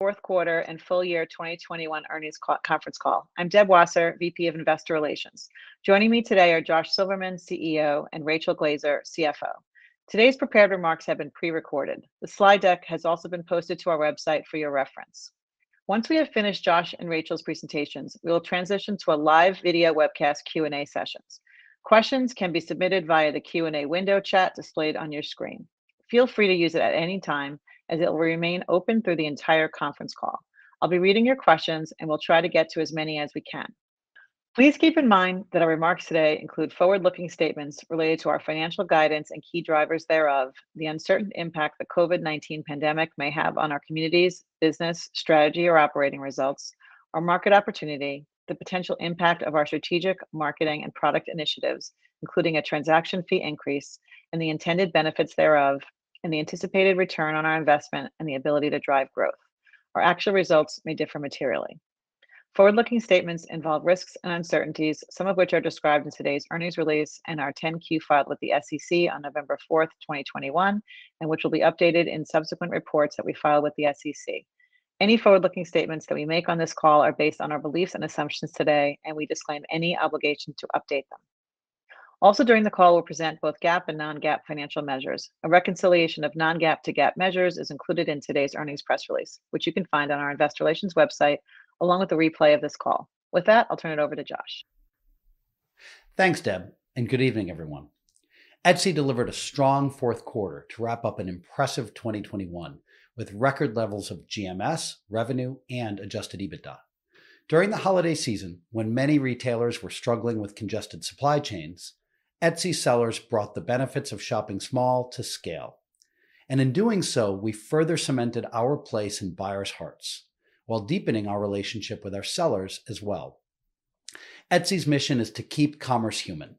Fourth quarter and full year 2021 earnings conference call. I'm Deb Wasser, VP of Investor Relations. Joining me today are Josh Silverman, CEO, and Rachel Glaser, CFO. Today's prepared remarks have been pre-recorded. The slide deck has also been posted to our website for your reference. Once we have finished Josh and Rachel's presentations, we will transition to a live video webcast Q&A sessions. Questions can be submitted via the Q&A window chat displayed on your screen. Feel free to use it at any time, as it will remain open through the entire conference call. I'll be reading your questions, and we'll try to get to as many as we can. Please keep in mind that our remarks today include forward-looking statements related to our financial guidance and key drivers thereof, the uncertain impact the COVID-19 pandemic may have on our communities, business, strategy, or operating results, our market opportunity, the potential impact of our strategic marketing and product initiatives, including a transaction fee increase and the intended benefits thereof, and the anticipated return on our investment and the ability to drive growth. Our actual results may differ materially. Forward-looking statements involve risks and uncertainties, some of which are described in today's earnings release and our 10-Q filed with the SEC on November 4, 2021, and which will be updated in subsequent reports that we file with the SEC. Any forward-looking statements that we make on this call are based on our beliefs and assumptions today, and we disclaim any obligation to update them. Also during the call, we'll present both GAAP and non-GAAP financial measures. A reconciliation of non-GAAP to GAAP measures is included in today's earnings press release, which you can find on our investor relations website, along with a replay of this call. With that, I'll turn it over to Josh. Thanks, Deb, and good evening, everyone. Etsy delivered a strong fourth quarter to wrap up an impressive 2021, with record levels of GMS, revenue, and adjusted EBITDA. During the holiday season, when many retailers were struggling with congested supply chains, Etsy sellers brought the benefits of shopping small to scale. In doing so, we further cemented our place in buyers' hearts while deepening our relationship with our sellers as well. Etsy's mission is to keep commerce human,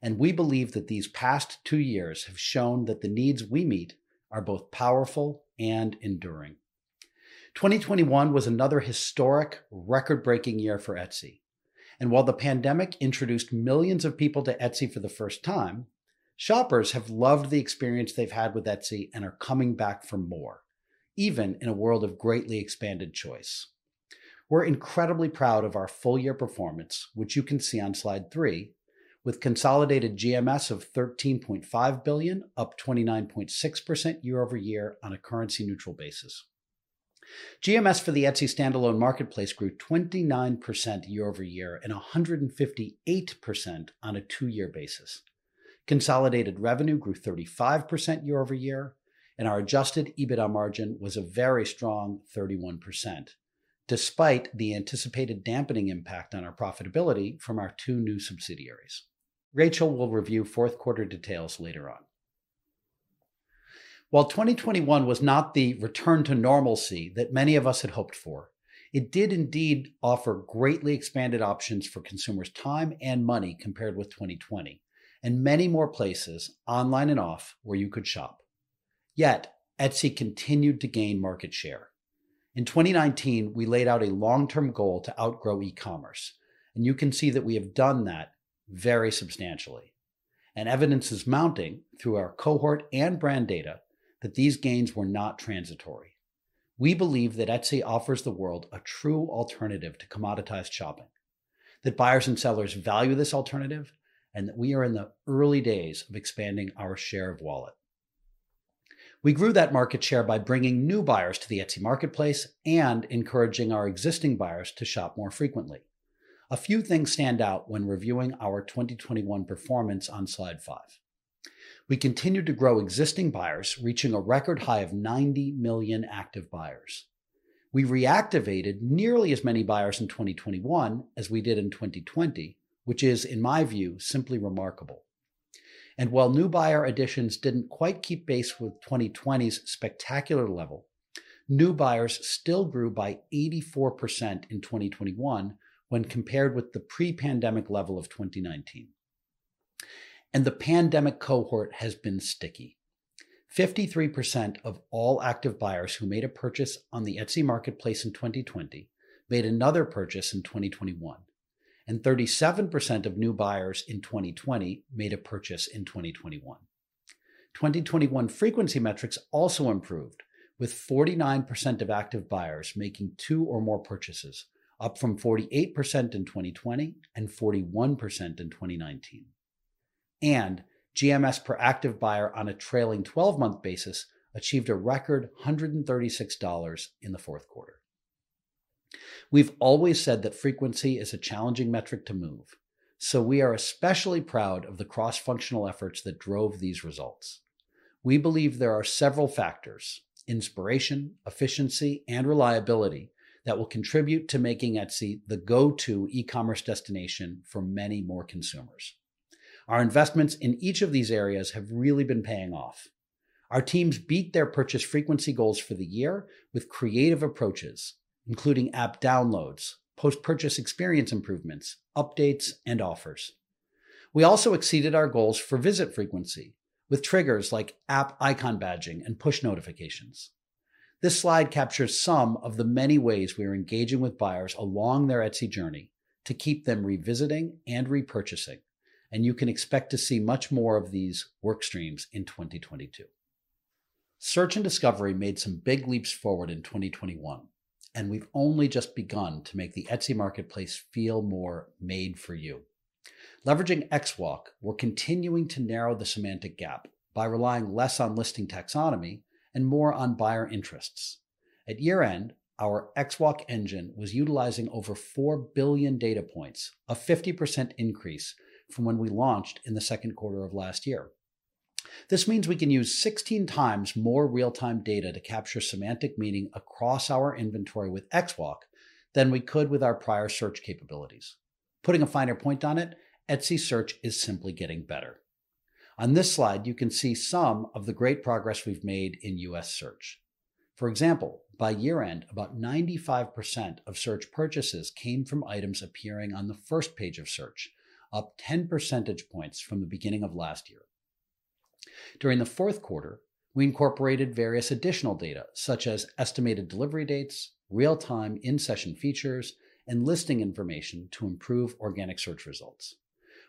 and we believe that these past two years have shown that the needs we meet are both powerful and enduring. 2021 was another historic record-breaking year for Etsy. While the pandemic introduced millions of people to Etsy for the first time, shoppers have loved the experience they've had with Etsy and are coming back for more, even in a world of greatly expanded choice. We're incredibly proud of our full year performance, which you can see on slide 3, with consolidated GMS of $13.5 billion, up 29.6% year-over-year on a currency-neutral basis. GMS for the Etsy standalone marketplace grew 29% year-over-year and 158% on a two-year basis. Consolidated revenue grew 35% year-over-year, and our adjusted EBITDA margin was a very strong 31%, despite the anticipated dampening impact on our profitability from our two new subsidiaries. Rachel will review fourth quarter details later on. While 2021 was not the return to normalcy that many of us had hoped for, it did indeed offer greatly expanded options for consumers' time and money compared with 2020, and many more places, online and off, where you could shop. Yet, Etsy continued to gain market share. In 2019, we laid out a long-term goal to outgrow e-commerce, and you can see that we have done that very substantially. Evidence is mounting through our cohort and brand data that these gains were not transitory. We believe that Etsy offers the world a true alternative to commoditized shopping, that buyers and sellers value this alternative, and that we are in the early days of expanding our share of wallet. We grew that market share by bringing new buyers to the Etsy marketplace and encouraging our existing buyers to shop more frequently. A few things stand out when reviewing our 2021 performance on slide five. We continued to grow existing buyers, reaching a record high of 90 million active buyers. We reactivated nearly as many buyers in 2021 as we did in 2020, which is, in my view, simply remarkable. While new buyer additions didn't quite keep pace with 2020's spectacular level, new buyers still grew by 84% in 2021 when compared with the pre-pandemic level of 2019. The pandemic cohort has been sticky. 53% of all active buyers who made a purchase on the Etsy marketplace in 2020 made another purchase in 2021, and 37% of new buyers in 2020 made a purchase in 2021. 2021 frequency metrics also improved, with 49% of active buyers making two or more purchases, up from 48% in 2020 and 41% in 2019. GMS per active buyer on a trailing twelve-month basis achieved a record $136 in the fourth quarter. We've always said that frequency is a challenging metric to move, so we are especially proud of the cross-functional efforts that drove these results. We believe there are several factors, inspiration, efficiency, and reliability, that will contribute to making Etsy the go-to e-commerce destination for many more consumers. Our investments in each of these areas have really been paying off. Our teams beat their purchase frequency goals for the year with creative approaches, including app downloads, post-purchase experience improvements, updates, and offers. We also exceeded our goals for visit frequency with triggers like app icon badging and push notifications. This slide captures some of the many ways we are engaging with buyers along their Etsy journey to keep them revisiting and repurchasing, and you can expect to see much more of these work streams in 2022. Search and discovery made some big leaps forward in 2021, and we've only just begun to make the Etsy marketplace feel more made for you. Leveraging XWalk, we're continuing to narrow the semantic gap by relying less on listing taxonomy and more on buyer interests. At year-end, our XWalk engine was utilizing over 4 billion data points, a 50% increase from when we launched in the second quarter of last year. This means we can use 16 times more real-time data to capture semantic meaning across our inventory with XWalk than we could with our prior search capabilities. Putting a finer point on it, Etsy search is simply getting better. On this slide, you can see some of the great progress we've made in U.S. search. For example, by year-end, about 95% of search purchases came from items appearing on the first page of search, up 10 percentage points from the beginning of last year. During the fourth quarter, we incorporated various additional data, such as estimated delivery dates, real-time in-session features, and listing information to improve organic search results.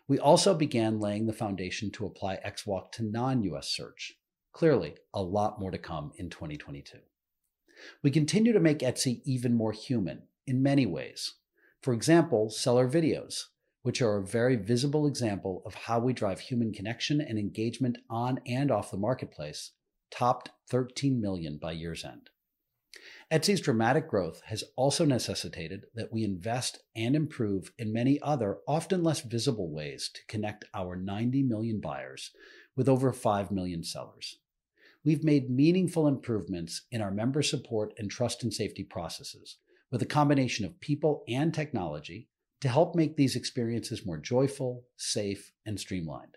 We also began laying the foundation to apply XWalk to non-U.S. search. Clearly, a lot more to come in 2022. We continue to make Etsy even more human in many ways. For example, seller videos, which are a very visible example of how we drive human connection and engagement on and off the marketplace, topped 13 million by year's end. Etsy's dramatic growth has also necessitated that we invest and improve in many other often less visible ways to connect our 90 million buyers with over 5 million sellers. We've made meaningful improvements in our member support and trust and safety processes with a combination of people and technology to help make these experiences more joyful, safe, and streamlined.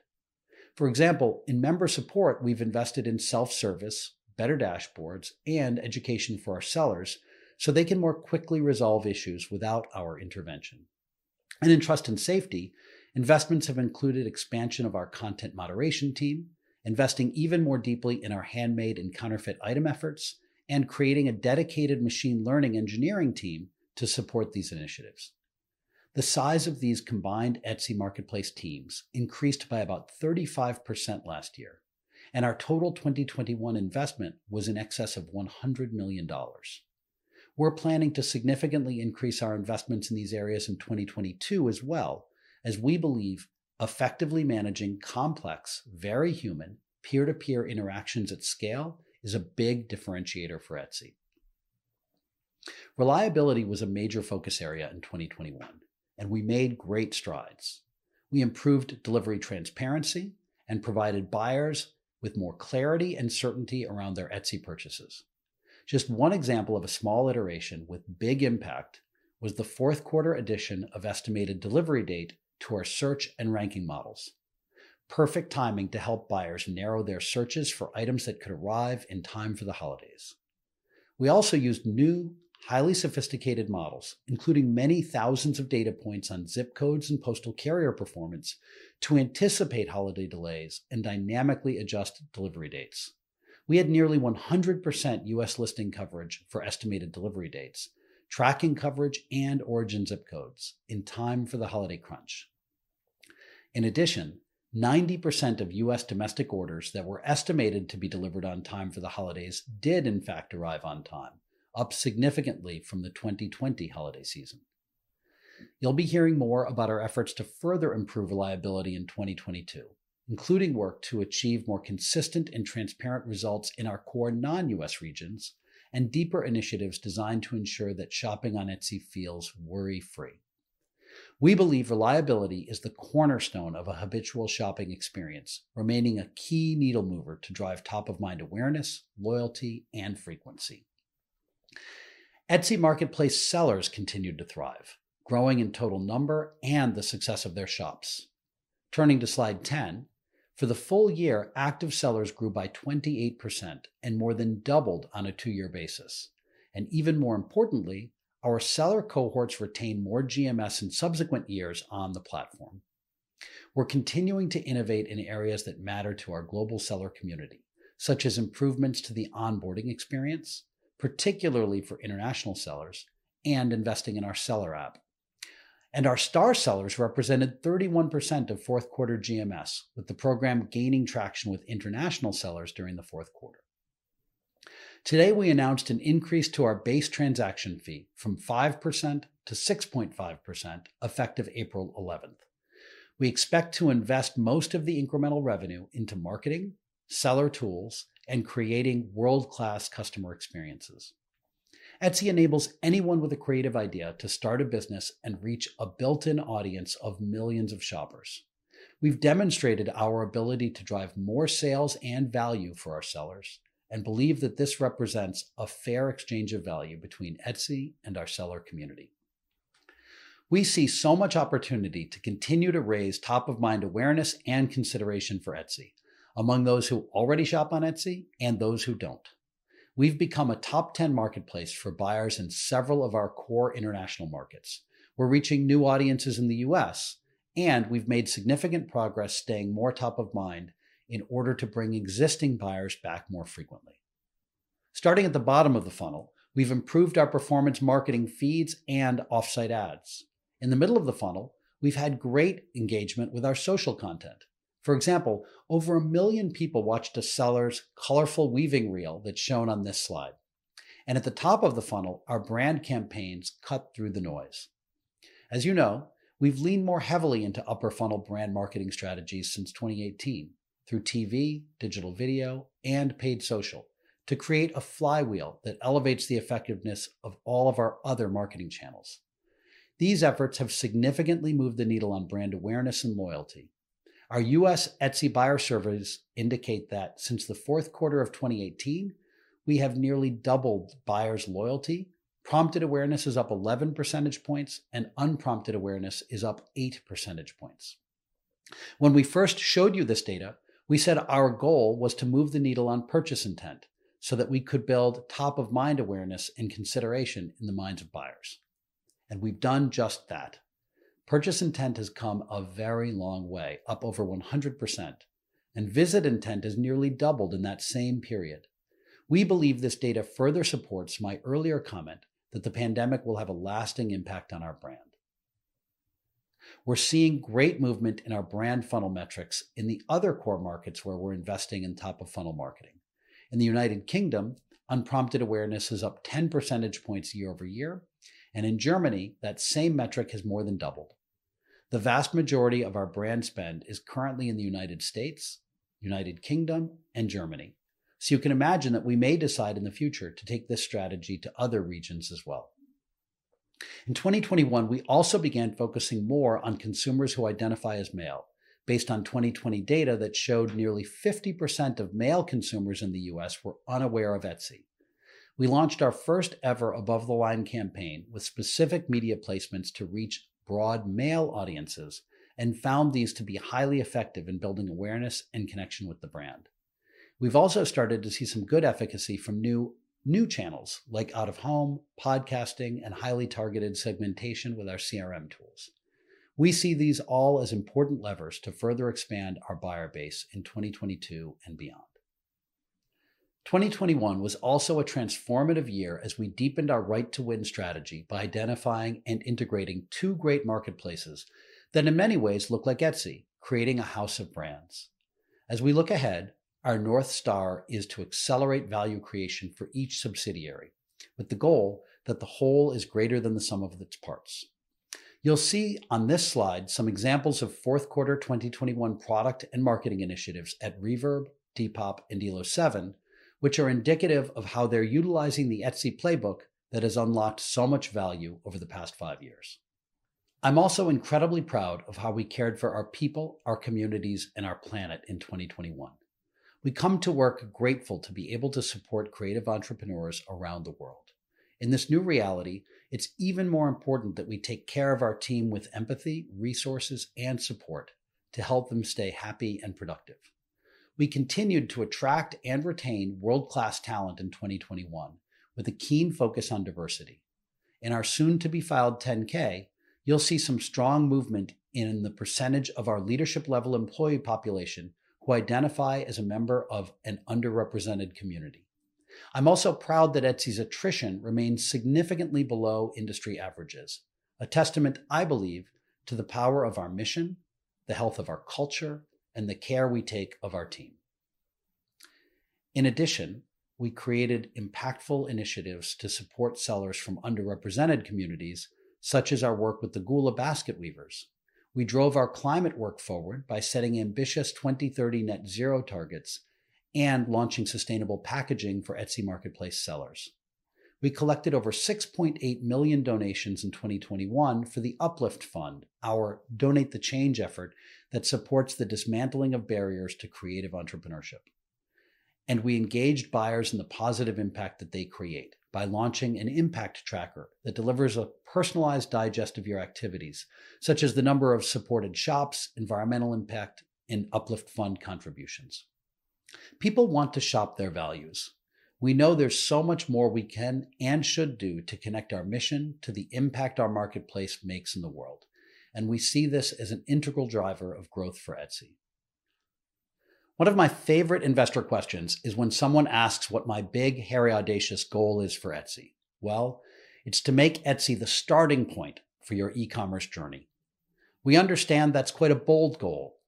For example, in member support, we've invested in self-service, better dashboards, and education for our sellers so they can more quickly resolve issues without our intervention. In trust and safety, investments have included expansion of our content moderation team, investing even more deeply in our handmade and counterfeit item efforts, and creating a dedicated machine learning engineering team to support these initiatives. The size of these combined Etsy marketplace teams increased by about 35% last year, and our total 2021 investment was in excess of $100 million. We're planning to significantly increase our investments in these areas in 2022 as well, as we believe effectively managing complex, very human peer-to-peer interactions at scale is a big differentiator for Etsy. Reliability was a major focus area in 2021, and we made great strides. We improved delivery transparency and provided buyers with more clarity and certainty around their Etsy purchases. Just one example of a small iteration with big impact was the fourth quarter addition of estimated delivery date to our search and ranking models. Perfect timing to help buyers narrow their searches for items that could arrive in time for the holidays. We also used new, highly sophisticated models, including many thousands of data points on ZIP codes and postal carrier performance, to anticipate holiday delays and dynamically adjust delivery dates. We had nearly 100% U.S. listing coverage for estimated delivery dates, tracking coverage, and origin zip codes in time for the holiday crunch. In addition, 90% of U.S. domestic orders that were estimated to be delivered on time for the holidays did in fact arrive on time, up significantly from the 2020 holiday season. You'll be hearing more about our efforts to further improve reliability in 2022, including work to achieve more consistent and transparent results in our core non-U.S. regions and deeper initiatives designed to ensure that shopping on Etsy feels worry-free. We believe reliability is the cornerstone of a habitual shopping experience, remaining a key needle mover to drive top-of-mind awareness, loyalty, and frequency. Etsy marketplace sellers continued to thrive, growing in total number and the success of their shops. Turning to slide 10, for the full year, active sellers grew by 28% and more than doubled on a 2-year basis. Even more importantly, our seller cohorts retained more GMS in subsequent years on the platform. We're continuing to innovate in areas that matter to our global seller community, such as improvements to the onboarding experience, particularly for international sellers, and investing in our seller app. Our Star Seller represented 31% of fourth quarter GMS, with the program gaining traction with international sellers during the fourth quarter. Today, we announced an increase to our base transaction fee from 5% to 6.5%, effective April 11th. We expect to invest most of the incremental revenue into marketing, seller tools, and creating world-class customer experiences. Etsy enables anyone with a creative idea to start a business and reach a built-in audience of millions of shoppers. We've demonstrated our ability to drive more sales and value for our sellers and believe that this represents a fair exchange of value between Etsy and our seller community. We see so much opportunity to continue to raise top-of-mind awareness and consideration for Etsy among those who already shop on Etsy and those who don't. We've become a top 10 marketplace for buyers in several of our core international markets. We're reaching new audiences in the U.S., and we've made significant progress staying more top of mind in order to bring existing buyers back more frequently. Starting at the bottom of the funnel, we've improved our performance marketing feeds and Offsite Ads. In the middle of the funnel, we've had great engagement with our social content. For example, over 1 million people watched a seller's colorful weaving reel that's shown on this slide. At the top of the funnel, our brand campaigns cut through the noise. As you know, we've leaned more heavily into upper funnel brand marketing strategies since 2018 through TV, digital video, and paid social to create a flywheel that elevates the effectiveness of all of our other marketing channels. These efforts have significantly moved the needle on brand awareness and loyalty. Our U.S. Etsy buyer surveys indicate that since the fourth quarter of 2018, we have nearly doubled buyers' loyalty, prompted awareness is up 11 percentage points, and unprompted awareness is up 8 percentage points. When we first showed you this data, we said our goal was to move the needle on purchase intent so that we could build top of mind awareness and consideration in the minds of buyers, and we've done just that. Purchase intent has come a very long way, up over 100%, and visit intent has nearly doubled in that same period. We believe this data further supports my earlier comment that the pandemic will have a lasting impact on our brand. We're seeing great movement in our brand funnel metrics in the other core markets where we're investing in top of funnel marketing. In the United Kingdom, unprompted awareness is up 10 percentage points year-over-year, and in Germany, that same metric has more than doubled. The vast majority of our brand spend is currently in the United States, United Kingdom, and Germany. You can imagine that we may decide in the future to take this strategy to other regions as well. In 2021, we also began focusing more on consumers who identify as male based on 2020 data that showed nearly 50% of male consumers in the U.S. were unaware of Etsy. We launched our first-ever above-the-line campaign with specific media placements to reach broad male audiences and found these to be highly effective in building awareness and connection with the brand. We've also started to see some good efficacy from new channels like out of home, podcasting, and highly targeted segmentation with our CRM tools. We see these all as important levers to further expand our buyer base in 2022 and beyond. 2021 was also a transformative year as we deepened our right to win strategy by identifying and integrating two great marketplaces that in many ways look like Etsy, creating a house of brands. As we look ahead, our North Star is to accelerate value creation for each subsidiary with the goal that the whole is greater than the sum of its parts. You'll see on this slide some examples of fourth quarter 2021 product and marketing initiatives at Reverb, Depop, and Elo7, which are indicative of how they're utilizing the Etsy playbook that has unlocked so much value over the past five years. I'm also incredibly proud of how we cared for our people, our communities, and our planet in 2021. We come to work grateful to be able to support creative entrepreneurs around the world. In this new reality, it's even more important that we take care of our team with empathy, resources, and support to help them stay happy and productive. We continued to attract and retain world-class talent in 2021 with a keen focus on diversity. In our soon-to-be-filed 10-K, you'll see some strong movement in the percentage of our leadership level employee population who identify as a member of an underrepresented community. I'm also proud that Etsy's attrition remains significantly below industry averages, a testament I believe to the power of our mission, the health of our culture, and the care we take of our team. In addition, we created impactful initiatives to support sellers from underrepresented communities, such as our work with the Gullah basket weavers. We drove our climate work forward by setting ambitious 2030 net zero targets and launching sustainable packaging for Etsy marketplace sellers. We collected over 6.8 million donations in 2021 for the Uplift Fund, our Donate the Change effort that supports the dismantling of barriers to creative entrepreneurship. We engaged buyers in the positive impact that they create by launching an impact tracker that delivers a personalized digest of your activities, such as the number of supported shops, environmental impact, and Uplift Fund contributions. People want to shop their values. We know there's so much more we can and should do to connect our mission to the impact our marketplace makes in the world, and we see this as an integral driver of growth for Etsy. One of my favorite investor questions is when someone asks what my big, hairy, audacious goal is for Etsy. Well, it's to make Etsy the starting point for your e-commerce journey. We understand that's quite a bold goal,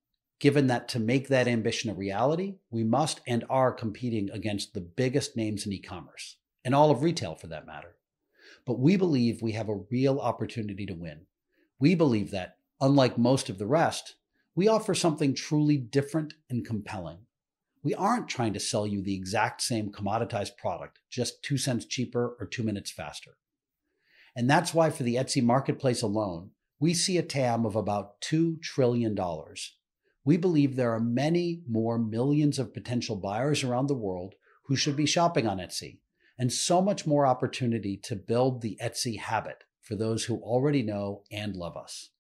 given that to make that ambition a reality, we must and are competing against the biggest names in e-commerce, and all of retail for that matter. We believe we have a real opportunity to win. We believe that, unlike most of the rest, we offer something truly different and compelling. We aren't trying to sell you the exact same commoditized product just two cents cheaper or two minutes faster. And that's why for the Etsy marketplace alone, we see a TAM of about $2 trillion. We believe there are many more millions of potential buyers around the world who should be shopping on Etsy, and so much more opportunity to build the Etsy habit for those who already know and love us.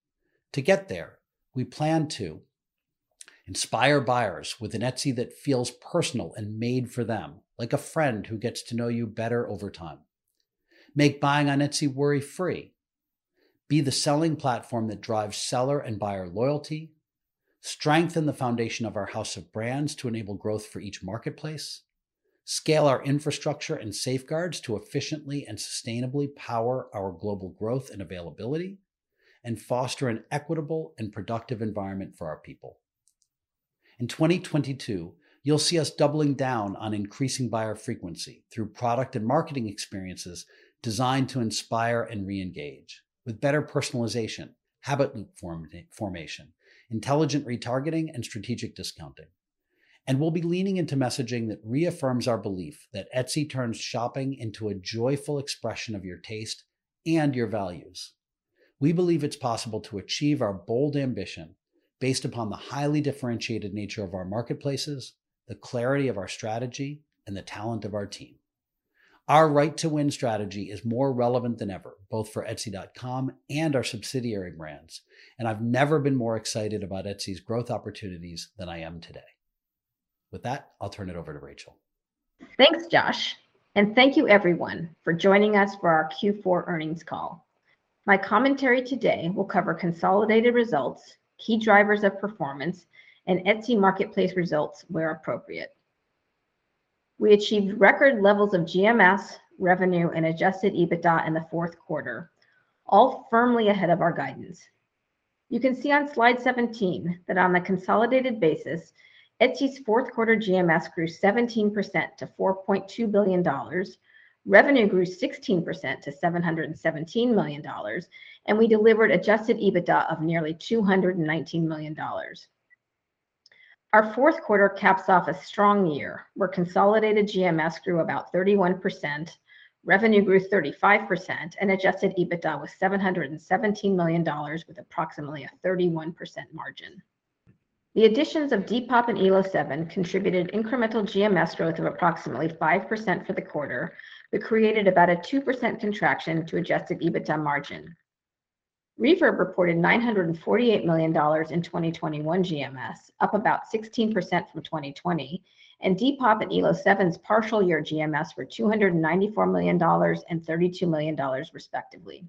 To get there, we plan to inspire buyers with an Etsy that feels personal and made for them, like a friend who gets to know you better over time. Make buying on Etsy worry free. Be the selling platform that drives seller and buyer loyalty. Strengthen the foundation of our house of brands to enable growth for each marketplace. Scale our infrastructure and safeguards to efficiently and sustainably power our global growth and availability. Foster an equitable and productive environment for our people. In 2022, you'll see us doubling down on increasing buyer frequency through product and marketing experiences designed to inspire and re-engage with better personalization, habit formation, intelligent retargeting, and strategic discounting. We'll be leaning into messaging that reaffirms our belief that Etsy turns shopping into a joyful expression of your taste and your values. We believe it's possible to achieve our bold ambition based upon the highly differentiated nature of our marketplaces, the clarity of our strategy, and the talent of our team. Our right to win strategy is more relevant than ever, both for etsy.com and our subsidiary brands, and I've never been more excited about Etsy's growth opportunities than I am today. With that, I'll t,urn it over to Rachel. Thanks, Josh, and thank you everyone for joining us for our Q4 earnings call. My commentary today will cover consolidated results, key drivers of performance, and Etsy marketplace results where appropriate. We achieved record levels of GMS, revenue, and adjusted EBITDA in the fourth quarter, all firmly ahead of our guidance. You can see on slide 17 that on a consolidated basis, Etsy's fourth quarter GMS grew 17% to $4.2 billion. Revenue grew 16% to $717 million, and we delivered adjusted EBITDA of nearly $219 million. Our fourth quarter caps off a strong year, where consolidated GMS grew about 31%, revenue grew 35%, and adjusted EBITDA was $717 million with approximately a 31% margin. The additions of Depop and Elo7 contributed incremental GMS growth of approximately 5% for the quarter that created about a 2% contraction to adjusted EBITDA margin. Reverb reported $948 million in 2021 GMS, up about 16% from 2020, and Depop and Elo7's partial year GMS were $294 million and $32 million respectively.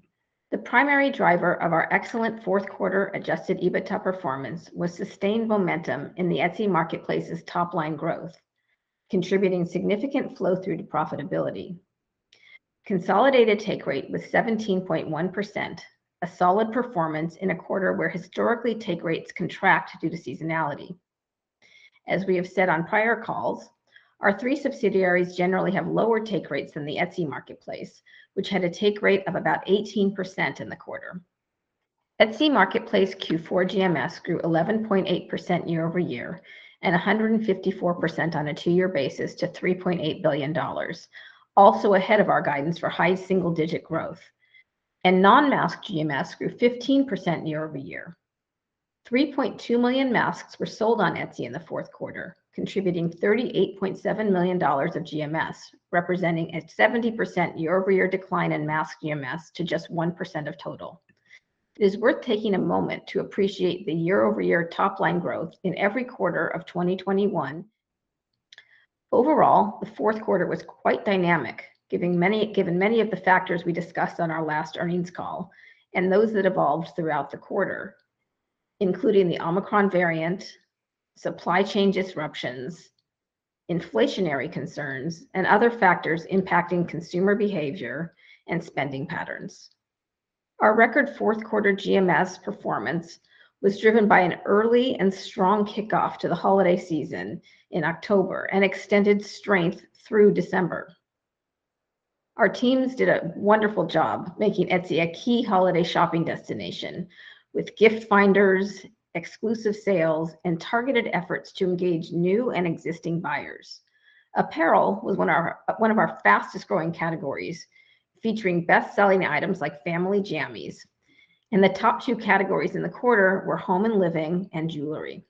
The primary driver of our excellent fourth quarter adjusted EBITDA performance was sustained momentum in the Etsy marketplace's top-line growth, contributing significant flow through to profitability. Consolidated take rate was 17.1%, a solid performance in a quarter where historically take rates contract due to seasonality. As we have said on prior calls, our three subsidiaries generally have lower take rates than the Etsy marketplace, which had a take rate of about 18% in the quarter. Etsy marketplace Q4 GMS grew 11.8% year-over-year and 154% on a two-year basis to $3.8 billion, also ahead of our guidance for high single-digit growth. Non-mask GMS grew 15% year-over-year. 3.2 million masks were sold on Etsy in the fourth quarter, contributing $38.7 million of GMS, representing a 70% year-over-year decline in mask GMS to just 1% of total. It is worth taking a moment to appreciate the year-over-year top-line growth in every quarter of 2021. Overall, the fourth quarter was quite dynamic, given many of the factors we discussed on our last earnings call and those that evolved throughout the quarter, including the Omicron variant, supply chain disruptions, inflationary concerns, and other factors impacting consumer behavior and spending patterns. Our record fourth quarter GMS performance was driven by an early and strong kickoff to the holiday season in October and extended strength through December. Our teams did a wonderful job making Etsy a key holiday shopping destination with gift finders, exclusive sales, and targeted efforts to engage new and existing buyers. Apparel was one of our fastest-growing categories, featuring best-selling items like family jammies, and the top two categories in the quarter were home and living and jewelry.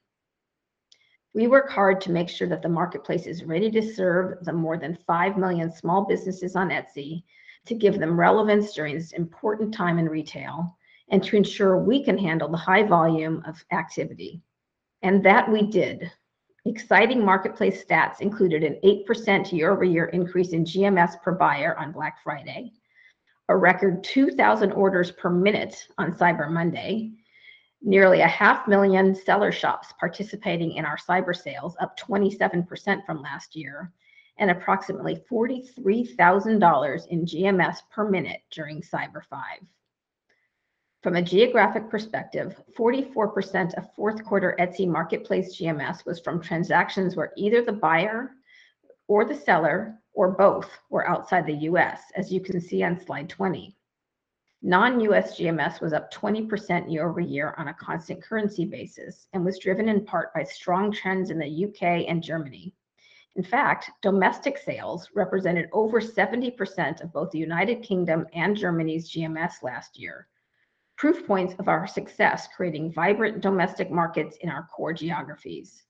We work hard to make sure that the marketplace is ready to serve the more than 5 million small businesses on Etsy to give them relevance during this important time in retail and to ensure we can handle the high volume of activity, and that we did. Exciting marketplace stats included an 8% year-over-year increase in GMS per buyer on Black Friday, a record 2,000 orders per minute on Cyber Monday, nearly 500,000 seller shops participating in our cyber sales, up 27% from last year, and approximately $43,000 in GMS per minute during Cyber 5. From a geographic perspective, 44% of fourth quarter Etsy marketplace GMS was from transactions where either the buyer or the seller or both were outside the U.S., as you can see on slide 20. Non-U.S. GMS was up 20% year-over-year on a constant currency basis and was driven in part by strong trends in the U.K. and Germany. In fact, domestic sales represented over 70% of both the United Kingdom and Germany's GMS last year, proof points of our success creating vibrant domestic markets in our core geographies.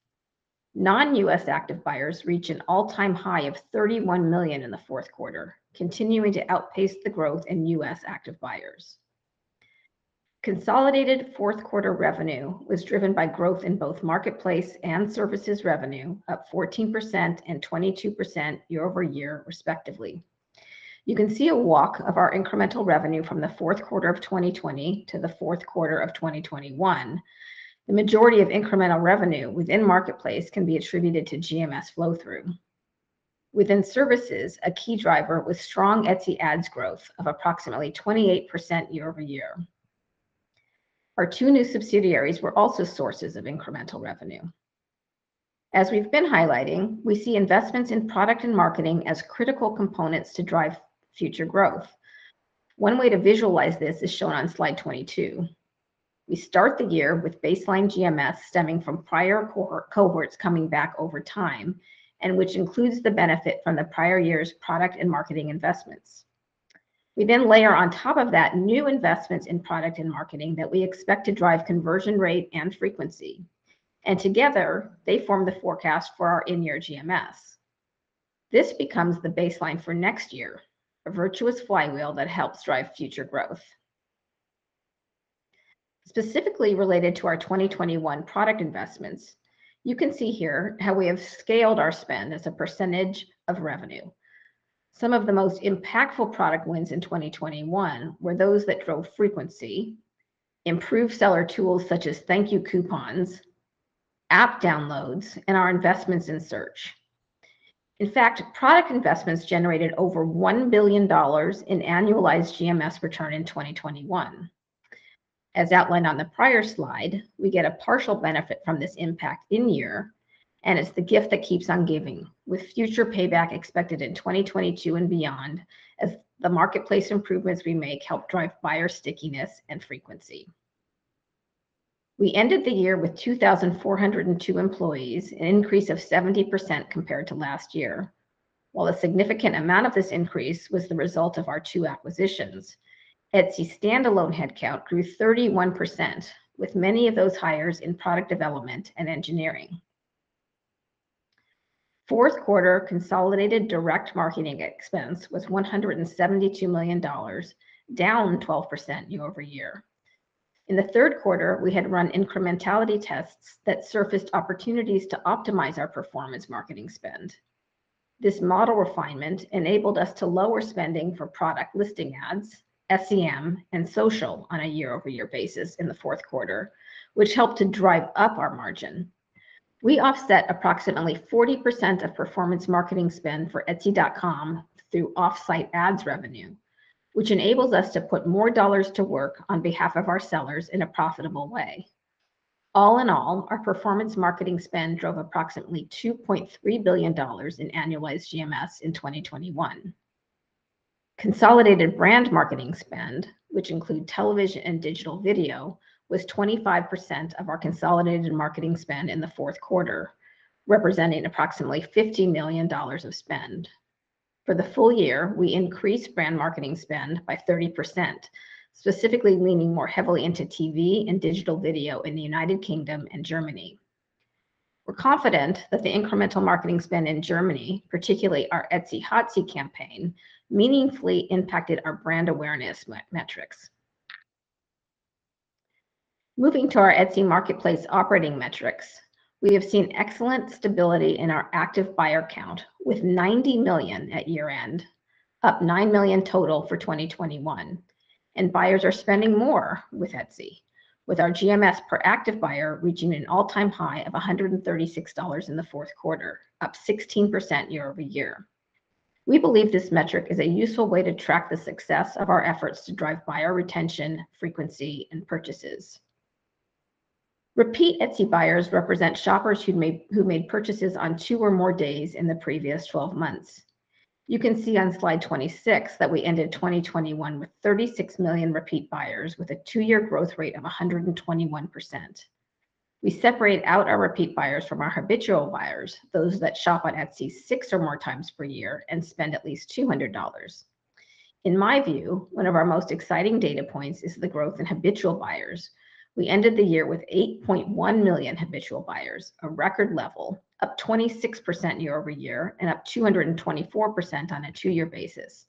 Non-U.S. active buyers reach an all-time high of 31 million in the fourth quarter, continuing to outpace the growth in U.S. active buyers. Consolidated fourth quarter revenue was driven by growth in both Marketplace and Services revenue, up 14% and 22% year-over-year respectively. You can see a walk of our incremental revenue from the fourth quarter of 2020 to the fourth quarter of 2021. The majority of incremental revenue within Marketplace can be attributed to GMS flow-through. Within Services, a key driver was strong Etsy Ads growth of approximately 28% year-over-year. Our two new subsidiaries were also sources of incremental revenue. As we've been highlighting, we see investments in product and marketing as critical components to drive future growth. One way to visualize this is shown on slide 22. We start the year with baseline GMS stemming from prior cohorts coming back over time, and which includes the benefit from the prior year's product and marketing investments. We then layer on top of that new investments in product and marketing that we expect to drive conversion rate and frequency. Together, they form the forecast for our in-year GMS. This becomes the baseline for next year, a virtuous flywheel that helps drive future growth. Specifically related to our 2021 product investments, you can see here how we have scaled our spend as a percentage of revenue. Some of the most impactful product wins in 2021 were those that drove frequency, improved seller tools such as thank you coupons, app downloads, and our investments in search. In fact, product investments generated over $1 billion in annualized GMS return in 2021. As outlined on the prior slide, we get a partial benefit from this impact in-year, and it's the gift that keeps on giving, with future payback expected in 2022 and beyond as the marketplace improvements we make help drive buyer stickiness and frequency. We ended the year with 2,402 employees, an increase of 70% compared to last year. While a significant amount of this increase was the result of our two acquisitions, Etsy standalone headcount grew 31%, with many of those hires in product development and engineering. Fourth quarter consolidated direct marketing expense was $172 million, down 12% year-over-year. In the third quarter, we had run incrementality tests that surfaced opportunities to optimize our performance marketing spend. This model refinement enabled us to lower spending for product listing ads, SEM, and social on a year-over-year basis in the fourth quarter, which helped to drive up our margin. We offset approximately 40% of performance marketing spend for etsy.com through Offsite Ads revenue, which enables us to put more dollars to work on behalf of our sellers in a profitable way. All in all, our performance marketing spend drove approximately $2.3 billion in annualized GMS in 2021. Consolidated brand marketing spend, which include television and digital video, was 25% of our consolidated marketing spend in the fourth quarter, representing approximately $50 million of spend. For the full year, we increased brand marketing spend by 30%, specifically leaning more heavily into TV and digital video in the United Kingdom and Germany. We're confident that the incremental marketing spend in Germany, particularly our Etsy Howsy campaign, meaningfully impacted our brand awareness metrics. Moving to our Etsy marketplace operating metrics, we have seen excellent stability in our active buyer count, with 90 million at year-end, up 9 million total for 2021. Buyers are spending more with Etsy, with our GMS per active buyer reaching an all-time high of $136 in the fourth quarter, up 16% year-over-year. We believe this metric is a useful way to track the success of our efforts to drive buyer retention, frequency, and purchases. Repeat Etsy buyers represent shoppers who made purchases on two or more days in the previous twelve months. You can see on slide 26 that we ended 2021 with 36 million repeat buyers with a two-year growth rate of 121%. We separate out our repeat buyers from our habitual buyers, those that shop on Etsy six or more times per year and spend at least $200. In my view, one of our most exciting data points is the growth in habitual buyers. We ended the year with 8.1 million habitual buyers, a record level, up 26% year-over-year and up 224% on a two-year basis.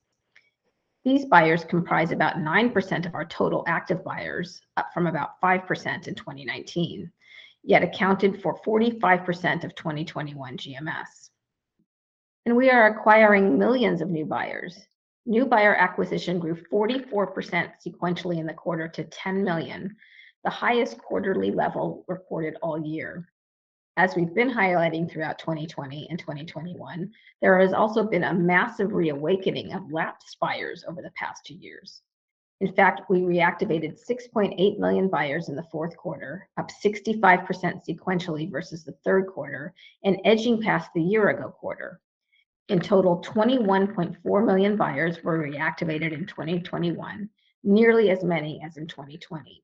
These buyers comprise about 9% of our total active buyers, up from about 5% in 2019, yet accounted for 45% of 2021 GMS. We are acquiring millions of new buyers. New buyer acquisition grew 44% sequentially in the quarter to 10 million, the highest quarterly level reported all year. As we've been highlighting throughout 2020 and 2021, there has also been a massive reawakening of lapsed buyers over the past two years. In fact, we reactivated 6.8 million buyers in the fourth quarter, up 65% sequentially versus the third quarter and edging past the year-ago quarter. In total, 21.4 million buyers were reactivated in 2021, nearly as many as in 2020.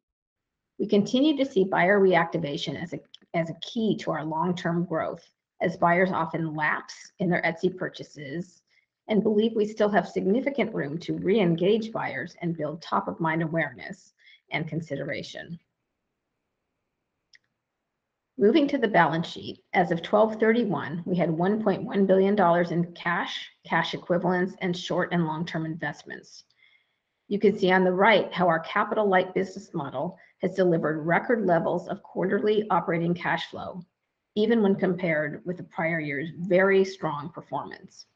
We continue to see buyer reactivation as a key to our long-term growth, as buyers often lapse in their Etsy purchases and believe we still have significant room to reengage buyers and build top-of-mind awareness and consideration. Moving to the balance sheet, as of 12/31, we had $1.1 billion in cash equivalents, and short and long-term investments. You can see on the right how our capital light business model has delivered record levels of quarterly operating cash flow, even when compared with the prior year's very strong performance.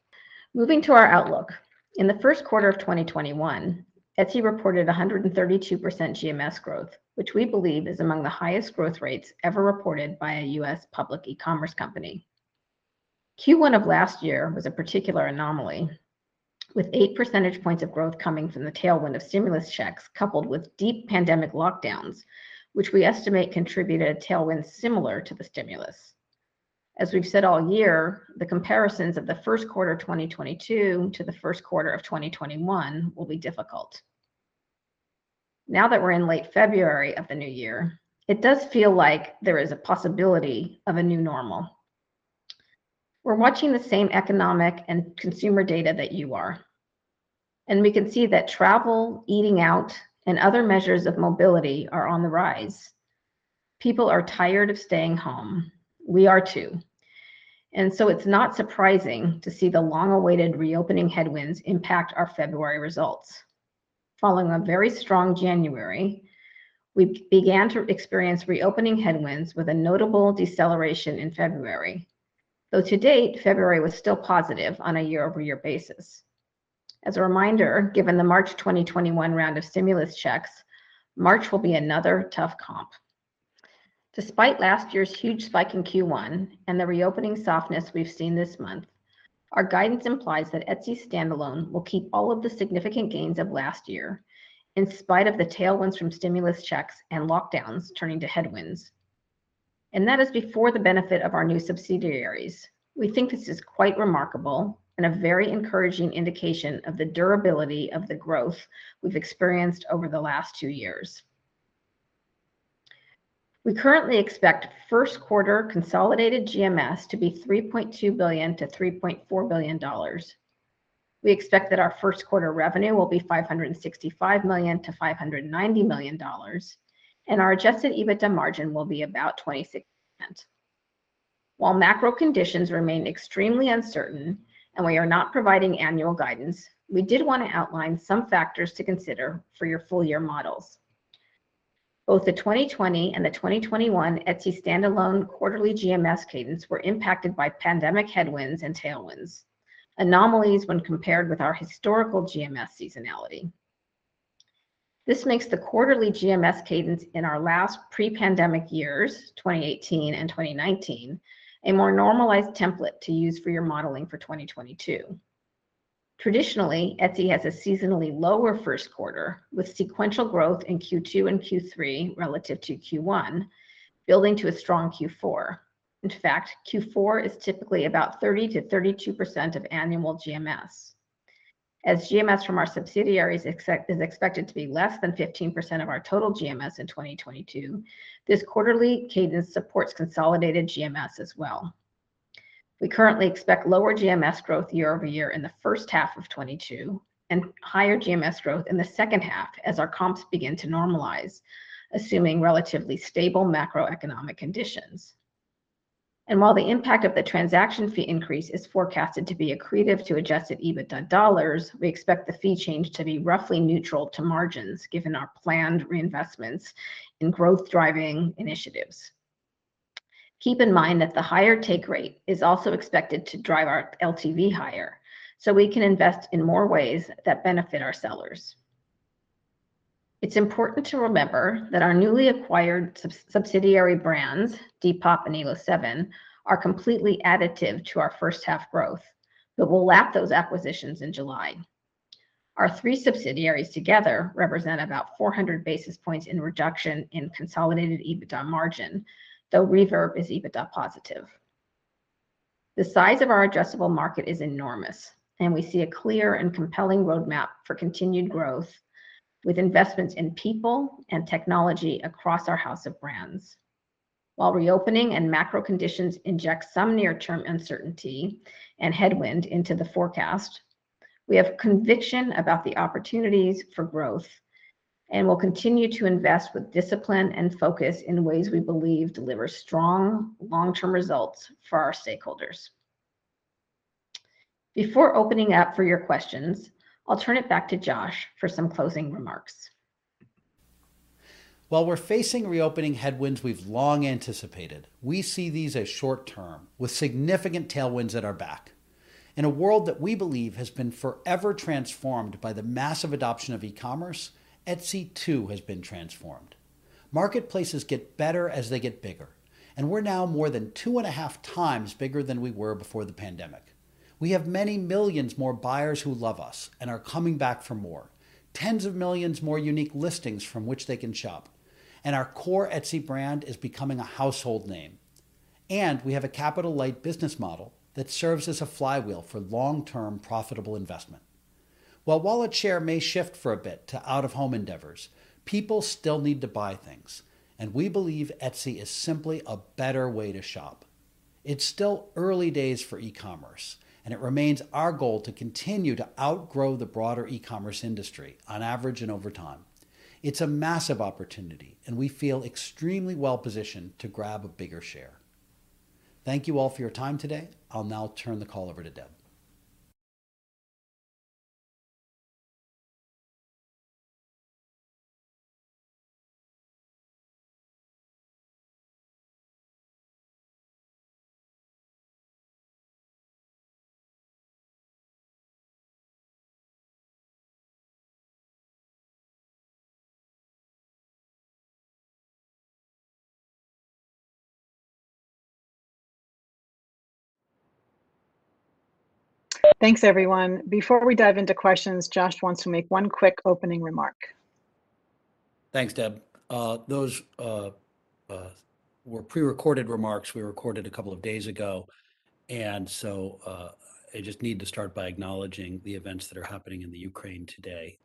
Moving to our outlook. In the first quarter of 2021, Etsy reported 132% GMS growth, which we believe is among the highest growth rates ever reported by a U.S. public e-commerce company. Q1 of last year was a particular anomaly, with 8 percentage points of growth coming from the tailwind of stimulus checks, coupled with deep pandemic lockdowns, which we estimate contributed a tailwind similar to the stimulus. As we've said all year, the comparisons of the first quarter of 2022 to the first quarter of 2021 will be difficult. Now that we're in late February of the new year, it does feel like there is a possibility of a new normal. We're watching the same economic and consumer data that you are, and we can see that travel, eating out, and other measures of mobility are on the rise. People are tired of staying home. We are, too. It's not surprising to see the long-awaited reopening headwinds impact our February results. Following a very strong January, we began to experience reopening headwinds with a notable deceleration in February. Though to date, February was still positive on a year-over-year basis. As a reminder, given the March 2021 round of stimulus checks, March will be another tough comp. Despite last year's huge spike in Q1 and the reopening softness we've seen this month, our guidance implies that Etsy standalone will keep all of the significant gains of last year in spite of the tailwinds from stimulus checks and lockdowns turning to headwinds. That is before the benefit of our new subsidiaries. We think this is quite remarkable and a very encouraging indication of the durability of the growth we've experienced over the last two years. We currently expect first quarter consolidated GMS to be $3.2 billion-$3.4 billion. We expect that our first quarter revenue will be $565 million-$590 million, and our adjusted EBITDA margin will be about 26%. While macro conditions remain extremely uncertain and we are not providing annual guidance, we did want to outline some factors to consider for your full year models. Both the 2020 and the 2021 Etsy standalone quarterly GMS cadence were impacted by pandemic headwinds and tailwinds, anomalies when compared with our historical GMS seasonality. This makes the quarterly GMS cadence in our last pre-pandemic years, 2018 and 2019, a more normalized template to use for your modeling for 2022. Traditionally, Etsy has a seasonally lower first quarter with sequential growth in Q2 and Q3 relative to Q1, building to a strong Q4. In fact, Q4 is typically about 30%-32% of annual GMS. As GMS from our subsidiaries is expected to be less than 15% of our total GMS in 2022, this quarterly cadence supports consolidated GMS as well. We currently expect lower GMS growth year-over-year in the first half of 2022 and higher GMS growth in the second half as our comps begin to normalize, assuming relatively stable macroeconomic conditions. While the impact of the transaction fee increase is forecasted to be accretive to adjusted EBITDA dollars, we expect the fee change to be roughly neutral to margins given our planned reinvestments in growth-driving initiatives. Keep in mind that the higher take rate is also expected to drive our LTV higher, so we can invest in more ways that benefit our sellers. It's important to remember that our newly acquired sub-subsidiary brands, Depop and Elo7, are completely additive to our first half growth, but we'll lap those acquisitions in July. Our three subsidiaries together represent about 400 basis points in reduction in consolidated EBITDA margin, though Reverb is EBITDA positive. The size of our addressable market is enormous, and we see a clear and compelling roadmap for continued growth with investments in people and technology across our house of brands. While reopening and macro conditions inject some near-term uncertainty and headwind into the forecast, we have conviction about the opportunities for growth and will continue to invest with discipline and focus in ways we believe deliver strong long-term results for our stakeholders. Before opening up for your questions, I'll turn it back to Josh for some closing remarks. While we're facing reopening headwinds we've long anticipated, we see these as short-term with significant tailwinds at our back. In a world that we believe has been forever transformed by the massive adoption of e-commerce, Etsy, too, has been transformed. Marketplaces get better as they get bigger, and we're now more than two and a half times bigger than we were before the pandemic. We have many millions more buyers who love us and are coming back for more, tens of millions more unique listings from which they can shop, and our core Etsy brand is becoming a household name. We have a capital-light business model that serves as a flywheel for long-term profitable investment. While wallet share may shift for a bit to out-of-home endeavors, people still need to buy things, and we believe Etsy is simply a better way to shop. It's still early days for e-commerce, and it remains our goal to continue to outgrow the broader e-commerce industry on average and over time. It's a massive opportunity, and we feel extremely well-positioned to grab a bigger share. Thank you all for your time today. I'll now turn the call over to Deb. Thanks, everyone. Before we dive into questions, Josh wants to make one quick opening remark. Thanks, Deb. Those were prerecorded remarks we recorded a couple of days ago. I just need to start by acknowledging the events that are happening in the Ukraine today.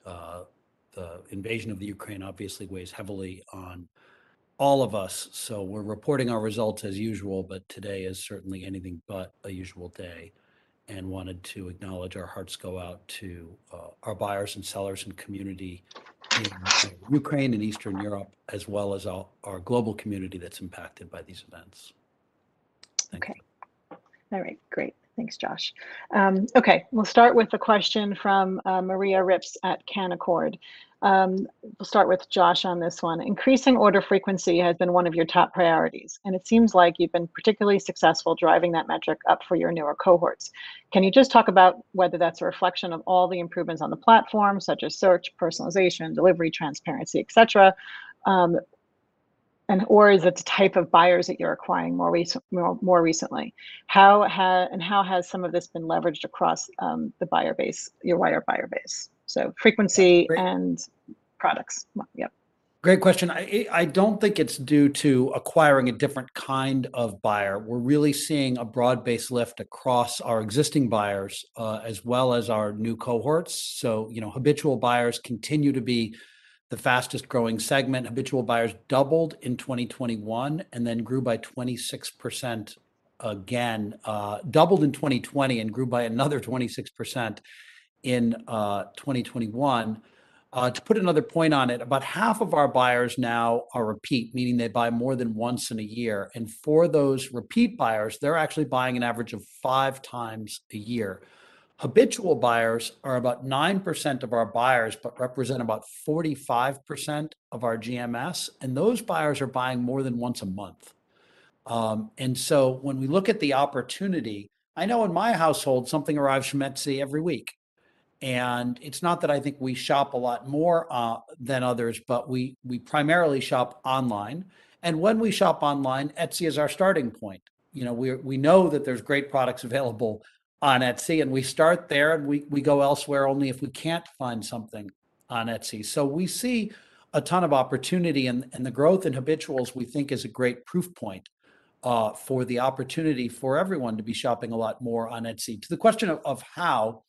The invasion of the Ukraine obviously weighs heavily on all of us. We're reporting our results as usual, but today is certainly anything but a usual day, and wanted to acknowledge our hearts go out to our buyers and sellers and community in Ukraine and Eastern Europe, as well as our global community that's impacted by these events. Thank you. Okay. All right. Great. Thanks, Josh. We'll start with a question from Maria Ripps at Canaccord. We'll start with Josh on this one. Increasing order frequency has been one of your top priorities, and it seems like you've been particularly successful driving that metric up for your newer cohorts. Can you just talk about whether that's a reflection of all the improvements on the platform, such as search, personalization, delivery, transparency, et cetera, and/or is it the type of buyers that you're acquiring more recently? How has some of this been leveraged across the buyer base, your wider buyer base? Frequency and products. Yep. Great question. I don't think it's due to acquiring a different kind of buyer. We're really seeing a broad-based lift across our existing buyers, as well as our new cohorts. You know, habitual buyers continue to be the fastest-growing segment. Habitual buyers doubled in 2020 and grew by another 26% in 2021. To put another point on it, about half of our buyers now are repeat, meaning they buy more than once in a year. For those repeat buyers, they're actually buying an average of five times a year. Habitual buyers are about 9% of our buyers but represent about 45% of our GMS, and those buyers are buying more than once a month. When we look at the opportunity, I know in my household, something arrives from Etsy every week. It's not that I think we shop a lot more than others, but we primarily shop online. When we shop online, Etsy is our starting point. You know, we know that there's great products available on Etsy, and we start there, and we go elsewhere only if we can't find something on Etsy. We see a ton of opportunity, and the growth in habituals, we think, is a great proof point for the opportunity for everyone to be shopping a lot more on Etsy. To the question of how,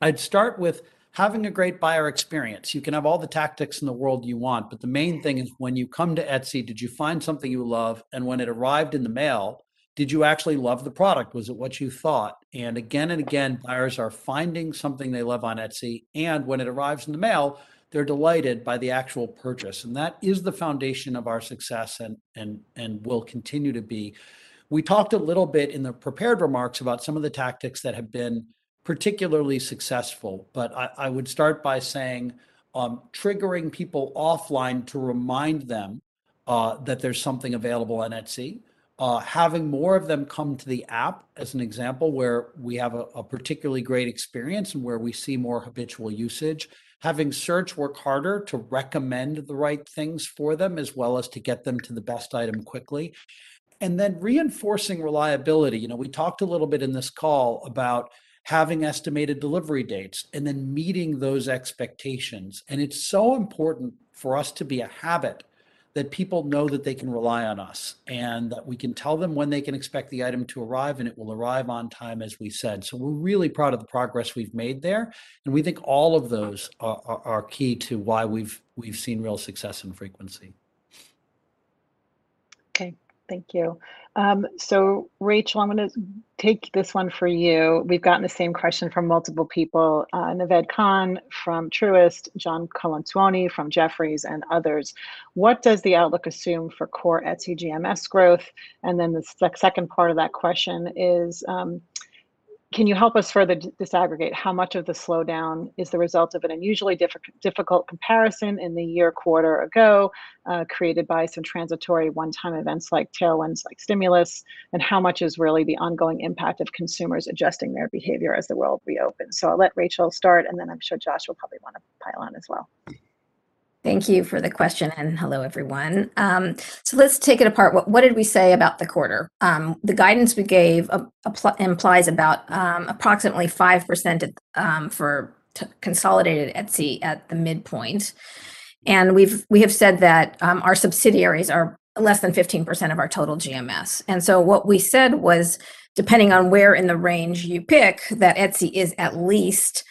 I'd start with having a great buyer experience. You can have all the tactics in the world you want, but the main thing is when you come to Etsy, did you find something you love, and when it arrived in the mail, did you actually love the product? Was it what you thought? Again and again, buyers are finding something they love on Etsy, and when it arrives in the mail, they're delighted by the actual purchase. That is the foundation of our success and will continue to be. We talked a little bit in the prepared remarks about some of the tactics that have been particularly successful. I would start by saying, triggering people offline to remind them that there's something available on Etsy. Having more of them come to the app, as an example, where we have a particularly great experience and where we see more habitual usage. Having search work harder to recommend the right things for them as well as to get them to the best item quickly. Reinforcing reliability. You know, we talked a little bit in this call about having estimated delivery dates and then meeting those expectations. It's so important for us to be a habit that people know that they can rely on us, and that we can tell them when they can expect the item to arrive, and it will arrive on time, as we said. We're really proud of the progress we've made there, and we think all of those are key to why we've seen real success in frequency. Okay. Thank you. Rachel, I'm gonna take this one for you. We've gotten the same question from multiple people, Naved Khan from Truist, John Colantuoni from Jefferies, and others. What does the outlook assume for core Etsy GMS growth? And then the second part of that question is, can you help us further disaggregate how much of the slowdown is the result of an unusually difficult comparison in the year-ago quarter, created by some transitory one-time events like tailwinds, like stimulus, and how much is really the ongoing impact of consumers adjusting their behavior as the world reopens? I'll let Rachel start, and then I'm sure Josh will probably want to pile on as well. Thank you for the question, and hello, everyone. Let's take it apart. What did we say about the quarter? The guidance we gave implies about approximately 5% for consolidated Etsy at the midpoint. We've said that our subsidiaries are less than 15% of our total GMS. What we said was, depending on where in the range you pick, that Etsy is at least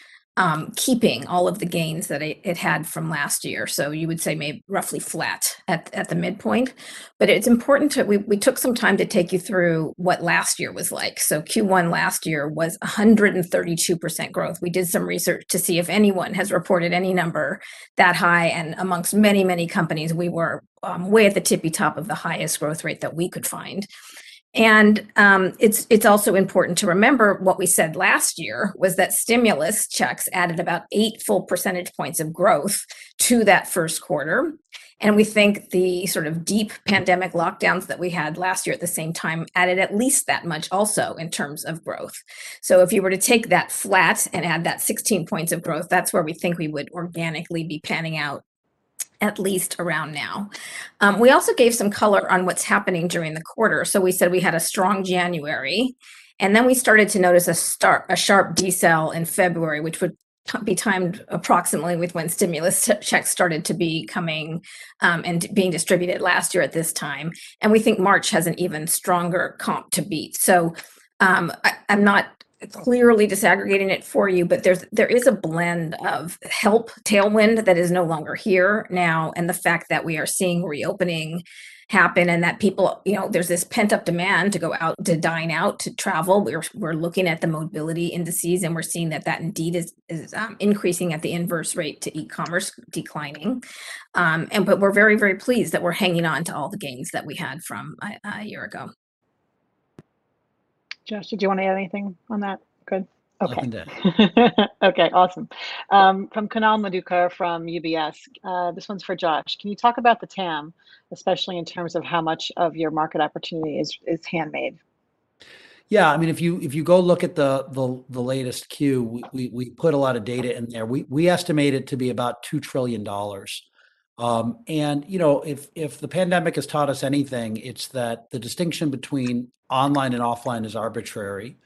keeping all of the gains that it had from last year. You would say maybe roughly flat at the midpoint. It's important to. We took some time to take you through what last year was like. Q1 last year was 132% growth. We did some research to see if anyone has reported any number that high, and among many, many companies, we were way at the tippy top of the highest growth rate that we could find. It's also important to remember what we said last year was that stimulus checks added about 8 full percentage points of growth to that first quarter, and we think the sort of deep pandemic lockdowns that we had last year at the same time added at least that much also in terms of growth. If you were to take that flat and add that 16 points of growth, that's where we think we would organically be panning out at least around now. We also gave some color on what's happening during the quarter. We said we had a strong January, and then we started to notice a sharp decel in February, which would be timed approximately with when stimulus checks started to be coming and being distributed last year at this time. We think March has an even stronger comp to beat. I am not clearly disaggregating it for you, but there is a blend of helpful tailwind that is no longer here now, and the fact that we are seeing reopening happen and that people you know, there's this pent-up demand to go out, to dine out, to travel. We're looking at the mobility indices, and we're seeing that indeed is increasing at the inverse rate to e-commerce declining. We're very, very pleased that we're hanging on to all the gains that we had from a year ago. Josh, did you want to add anything on that? Good? Okay. Nothing to add. Okay, awesome. From Kunal Madhukar from UBS, this one's for Josh: Can you talk about the TAM, especially in terms of how much of your market opportunity is handmade? Yeah. I mean, if you go look at the latest Q, we put a lot of data in there. We estimate it to be about $2 trillion. You know, if the pandemic has taught us anything, it's that the distinction between online and offline is arbitrary.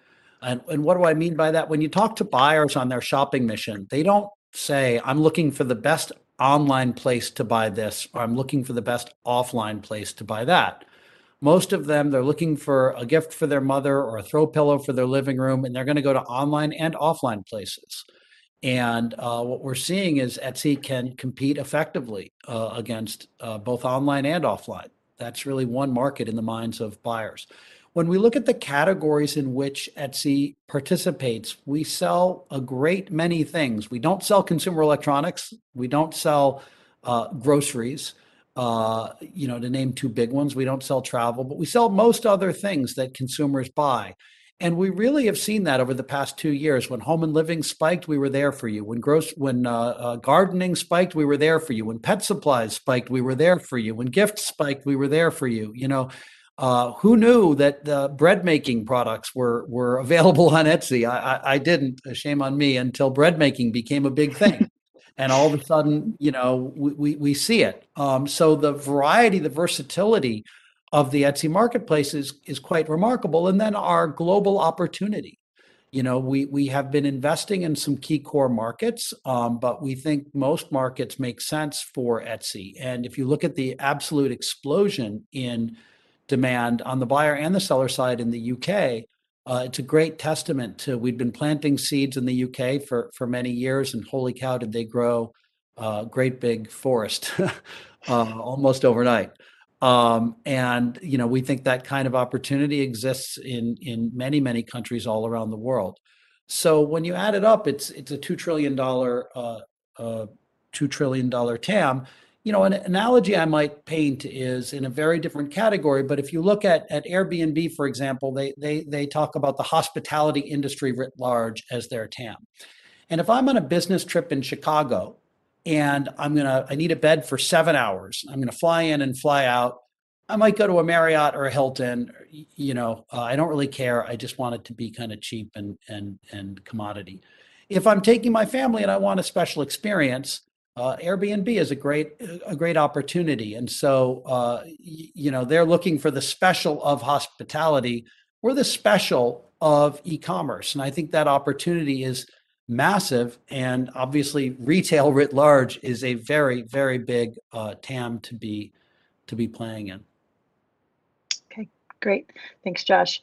What do I mean by that? When you talk to buyers on their shopping mission, they don't say, "I'm looking for the best online place to buy this," or, "I'm looking for the best offline place to buy that." Most of them, they're looking for a gift for their mother or a throw pillow for their living room, and they're gonna go to online and offline places. What we're seeing is Etsy can compete effectively against both online and offline. That's really one market in the minds of buyers. When we look at the categories in which Etsy participates, we sell a great many things. We don't sell consumer electronics. We don't sell groceries, you know, to name two big ones. We don't sell travel. We sell most other things that consumers buy, and we really have seen that over the past two years. When home and living spiked, we were there for you. When gardening spiked, we were there for you. When pet supplies spiked, we were there for you. When gifts spiked, we were there for you. You know, who knew that bread-making products were available on Etsy? I didn't, shame on me, until bread-making became a big thing. All of a sudden, you know, we see it. The variety, the versatility of the Etsy marketplace is quite remarkable, and then our global opportunity. You know, we have been investing in some key core markets, but we think most markets make sense for Etsy. If you look at the absolute explosion in demand on the buyer and the seller side in the U.K., it's a great testament to we'd been planting seeds in the U.K. for many years, and holy cow, did they grow a great big forest almost overnight. You know, we think that kind of opportunity exists in many countries all around the world. When you add it up, it's a $2 trillion TAM. You know, an analogy I might paint is in a very different category. If you look at Airbnb, for example, they talk about the hospitality industry writ large as their TAM. If I'm on a business trip in Chicago, and I'm gonna I need a bed for seven hours. I'm gonna fly in and fly out. I might go to a Marriott or a Hilton. I don't really care. I just want it to be kind of cheap and commodity. If I'm taking my family and I want a special experience, Airbnb is a great opportunity. You know, they're looking for the special of hospitality. We're the special of e-commerce, and I think that opportunity is massive. Obviously, retail writ large is a very big TAM to be playing in. Okay. Great. Thanks, Josh.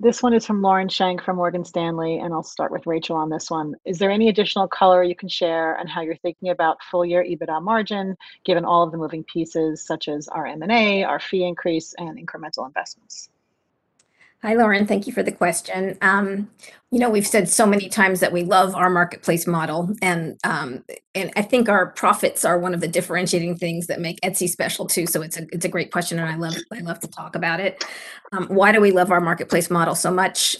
This one is from Lauren Schenk from Morgan Stanley, and I'll start with Rachel on this one. Is there any additional color you can share on how you're thinking about full-year EBITDA margin, given all of the moving pieces such as our M&A, our fee increase, and incremental investments? Hi, Lauren. Thank you for the question. You know, we've said so many times that we love our marketplace model, and I think our profits are one of the differentiating things that make Etsy special too. It's a great question, and I love to talk about it. Why do we love our marketplace model so much?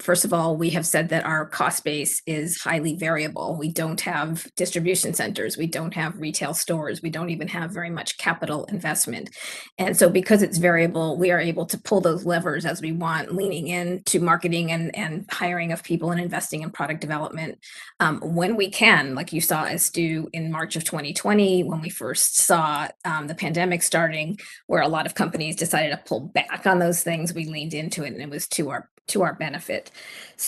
First of all, we have said that our cost base is highly variable. We don't have distribution centers. We don't have retail stores. We don't even have very much capital investment. Because it's variable, we are able to pull those levers as we want, leaning into marketing and hiring of people and investing in product development, when we can. Like you saw us do in March of 2020 when we first saw the pandemic starting, where a lot of companies decided to pull back on those things, we leaned into it, and it was to our benefit.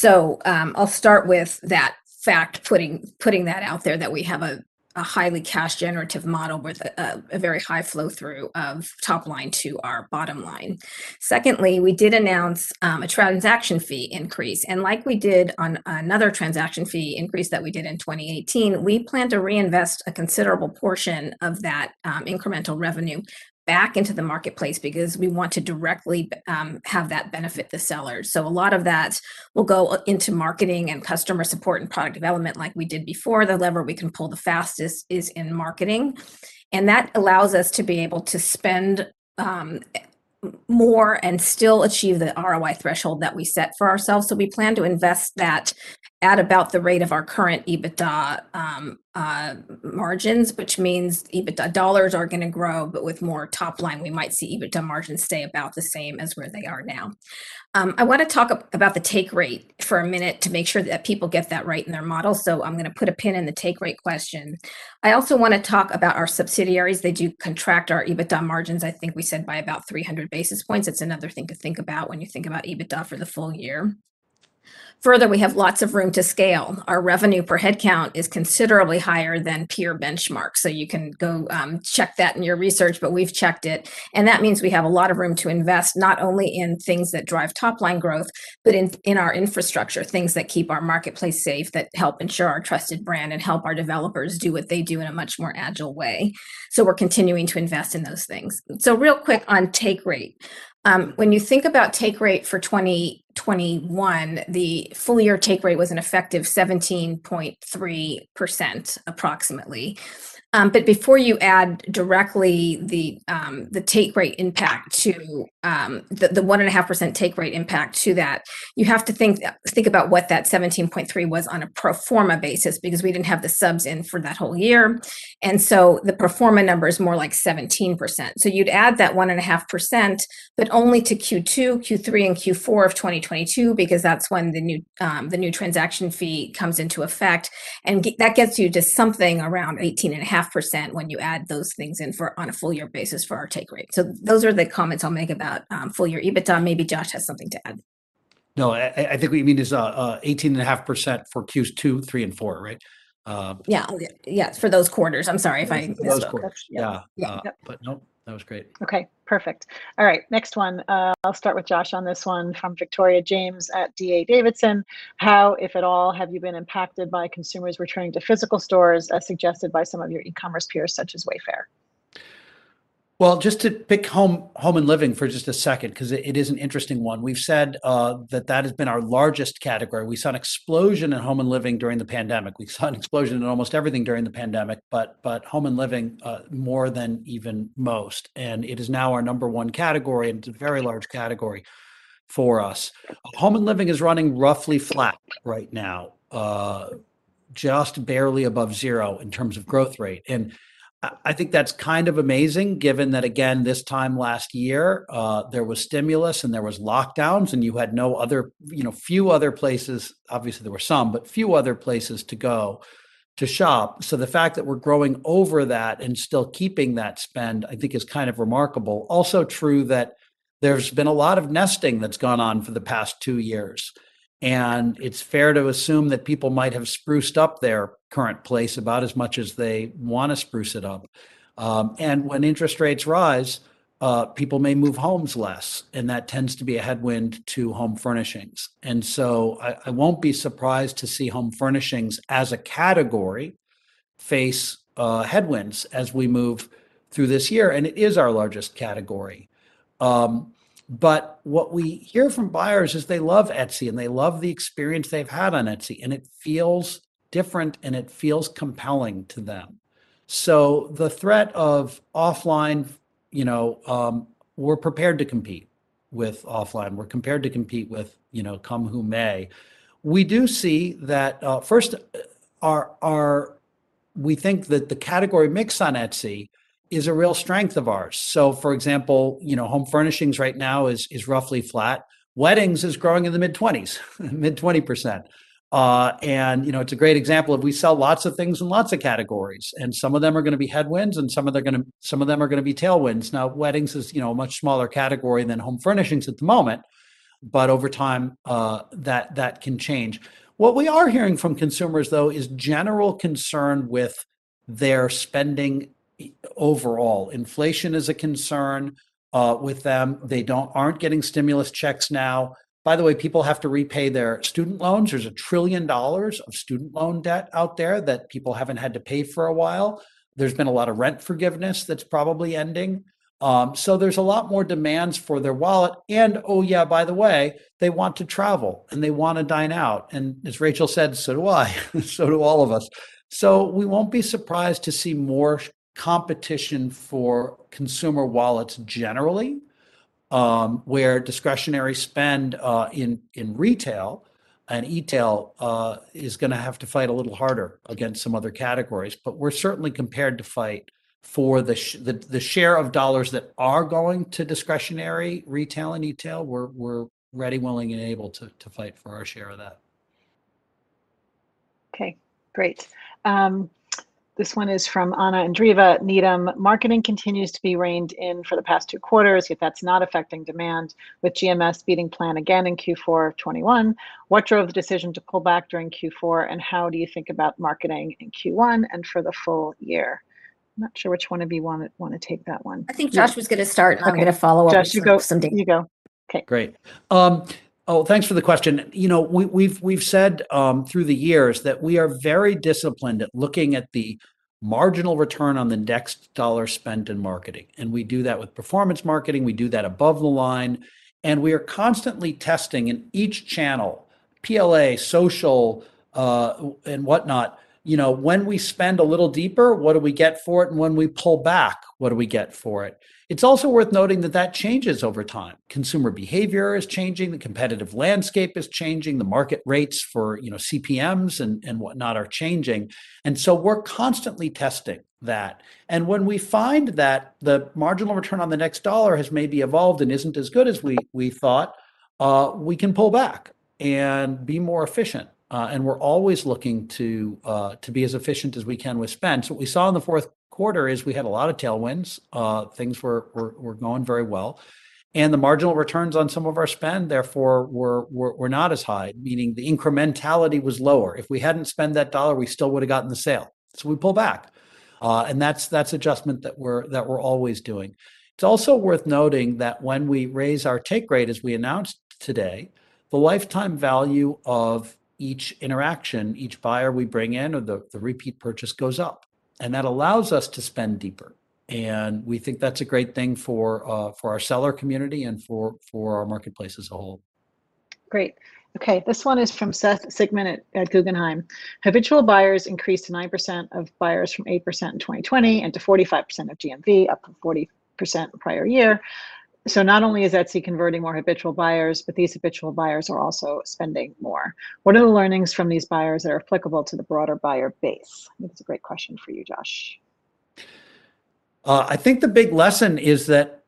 I'll start with that fact, putting that out there that we have a highly cash-generative model with a very high flow-through of top line to our bottom line. Secondly, we did announce a transaction fee increase, and like we did on another transaction fee increase that we did in 2018, we plan to reinvest a considerable portion of that incremental revenue back into the marketplace because we want to directly have that benefit the sellers. A lot of that will go into marketing and customer support and product development, like we did before. The lever we can pull the fastest is in marketing, and that allows us to be able to spend more and still achieve the ROI threshold that we set for ourselves. We plan to invest that at about the rate of our current EBITDA margins, which means EBITDA dollars are gonna grow, but with more top line, we might see EBITDA margins stay about the same as where they are now. I wanna talk about the take rate for a minute to make sure that people get that right in their model, so I'm gonna put a pin in the take rate question. I also wanna talk about our subsidiaries. They do contract our EBITDA margins, I think we said by about 300 basis points. It's another thing to think about when you think about EBITDA for the full year. Further, we have lots of room to scale. Our revenue per head count is considerably higher than peer benchmarks. You can go check that in your research, but we've checked it, and that means we have a lot of room to invest, not only in things that drive top line growth, but in our infrastructure, things that keep our marketplace safe, that help ensure our trusted brand, and help our developers do what they do in a much more agile way. We're continuing to invest in those things. Real quick on take rate. When you think about take rate for 2021, the full year take rate was an effective 17.3% approximately. Before you add directly the take rate impact to the 1.5% take rate impact to that, you have to think about what that 17.3 was on a pro forma basis because we didn't have the subs in for that whole year. The pro forma number is more like 17%. You'd add that 1.5%, but only to Q2, Q3, and Q4 of 2022 because that's when the new transaction fee comes into effect. That gets you to something around 18.5% when you add those things in for on a full year basis for our take rate. Those are the comments I'll make about full year EBITDA. Maybe Josh has something to add. No, I think what you mean is 18.5% for Q2, Q3, and Q4, right? Yeah. Yeah, for those quarters. I'm sorry if I missed that. For those quarters. Yeah. Yeah. Yep. Nope, that was great. Okay, perfect. All right, next one. I'll start with Josh on this one from Victoria James at D.A. Davidson. How, if at all, have you been impacted by consumers returning to physical stores as suggested by some of your e-commerce peers such as Wayfair? Well, just to pick Home and Living for just a second because it is an interesting one. We've said that has been our largest category. We saw an explosion in Home and Living during the pandemic. We saw an explosion in almost everything during the pandemic, but Home and Living more than even most. It is now our number one category, and it's a very large category for us. Home and Living is running roughly flat right now, just barely above zero in terms of growth rate. I think that's kind of amazing given that, again, this time last year, there was stimulus, and there was lockdowns, and you had few other places to go to shop. You know, obviously there were some, but few other places to go to shop. The fact that we're growing over that and still keeping that spend, I think is kind of remarkable. Also true that there's been a lot of nesting that's gone on for the past two years, and it's fair to assume that people might have spruced up their current place about as much as they wanna spruce it up. When interest rates rise, people may move homes less, and that tends to be a headwind to home furnishings. I won't be surprised to see home furnishings as a category face headwinds as we move through this year, and it is our largest category. What we hear from buyers is they love Etsy, and they love the experience they've had on Etsy, and it feels different, and it feels compelling to them. The threat of offline, you know, we're prepared to compete with offline. We're prepared to compete with, you know, come what may. We do see that, first we think that the category mix on Etsy is a real strength of ours. For example, you know, home furnishings right now is roughly flat. Weddings is growing in the mid-20%. And you know, it's a great example of we sell lots of things in lots of categories, and some of them are gonna be headwinds, and some of them are gonna be tailwinds. Now, weddings is, you know, a much smaller category than home furnishings at the moment, but over time, that can change. What we are hearing from consumers though is general concern with their spending overall. Inflation is a concern with them. They aren't getting stimulus checks now. By the way, people have to repay their student loans. There's $1 trillion of student loan debt out there that people haven't had to pay for a while. There's been a lot of rent forgiveness that's probably ending. There's a lot more demands for their wallet, and oh yeah, by the way, they want to travel, and they wanna dine out. As Rachel said, so do I. So do all of us. We won't be surprised to see more competition for consumer wallets generally, where discretionary spend in retail and e-tail is gonna have to fight a little harder against some other categories. We're certainly prepared to fight for the share of dollars that are going to discretionary retail and e-tail. We're ready, willing, and able to fight for our share of that. Okay, great. This one is from Anna Andreeva, Needham. Marketing continues to be reined in for the past two quarters, if that's not affecting demand with GMS beating plan again in Q4 of 2021. What drove the decision to pull back during Q4, and how do you think about marketing in Q1 and for the full year? I'm not sure which one of you want to take that one. I think Josh was gonna start. Okay I'm gonna follow up with some data. Josh, you go. Okay. Great. Thanks for the question. You know, we've said through the years that we are very disciplined at looking at the marginal return on the next dollar spent in marketing, and we do that with performance marketing, we do that above the line, and we are constantly testing in each channel, PLA, social, and whatnot, you know, when we spend a little deeper, what do we get for it? When we pull back, what do we get for it? It's also worth noting that changes over time. Consumer behavior is changing. The competitive landscape is changing. The market rates for, you know, CPMs and whatnot are changing. We're constantly testing that. When we find that the marginal return on the next dollar has maybe evolved and isn't as good as we thought, we can pull back and be more efficient. We're always looking to be as efficient as we can with spend. What we saw in the fourth quarter is we had a lot of tailwinds, things were going very well, and the marginal returns on some of our spend therefore were not as high, meaning the incrementality was lower. If we hadn't spent that dollar, we still would've gotten the sale. We pull back, and that's adjustment that we're always doing. It's also worth noting that when we raise our take rate, as we announced today, the lifetime value of each interaction, each buyer we bring in, or the repeat purchase goes up, and that allows us to spend deeper, and we think that's a great thing for our seller community and for our marketplace as a whole. Great. Okay, this one is from Seth Sigman at Guggenheim. Habitual buyers increased to 9% of buyers from 8% in 2020, and to 45% of GMV, up from 40% the prior year. Not only is Etsy converting more habitual buyers, but these habitual buyers are also spending more. What are the learnings from these buyers that are applicable to the broader buyer base? I think that's a great question for you, Josh. I think the big lesson is that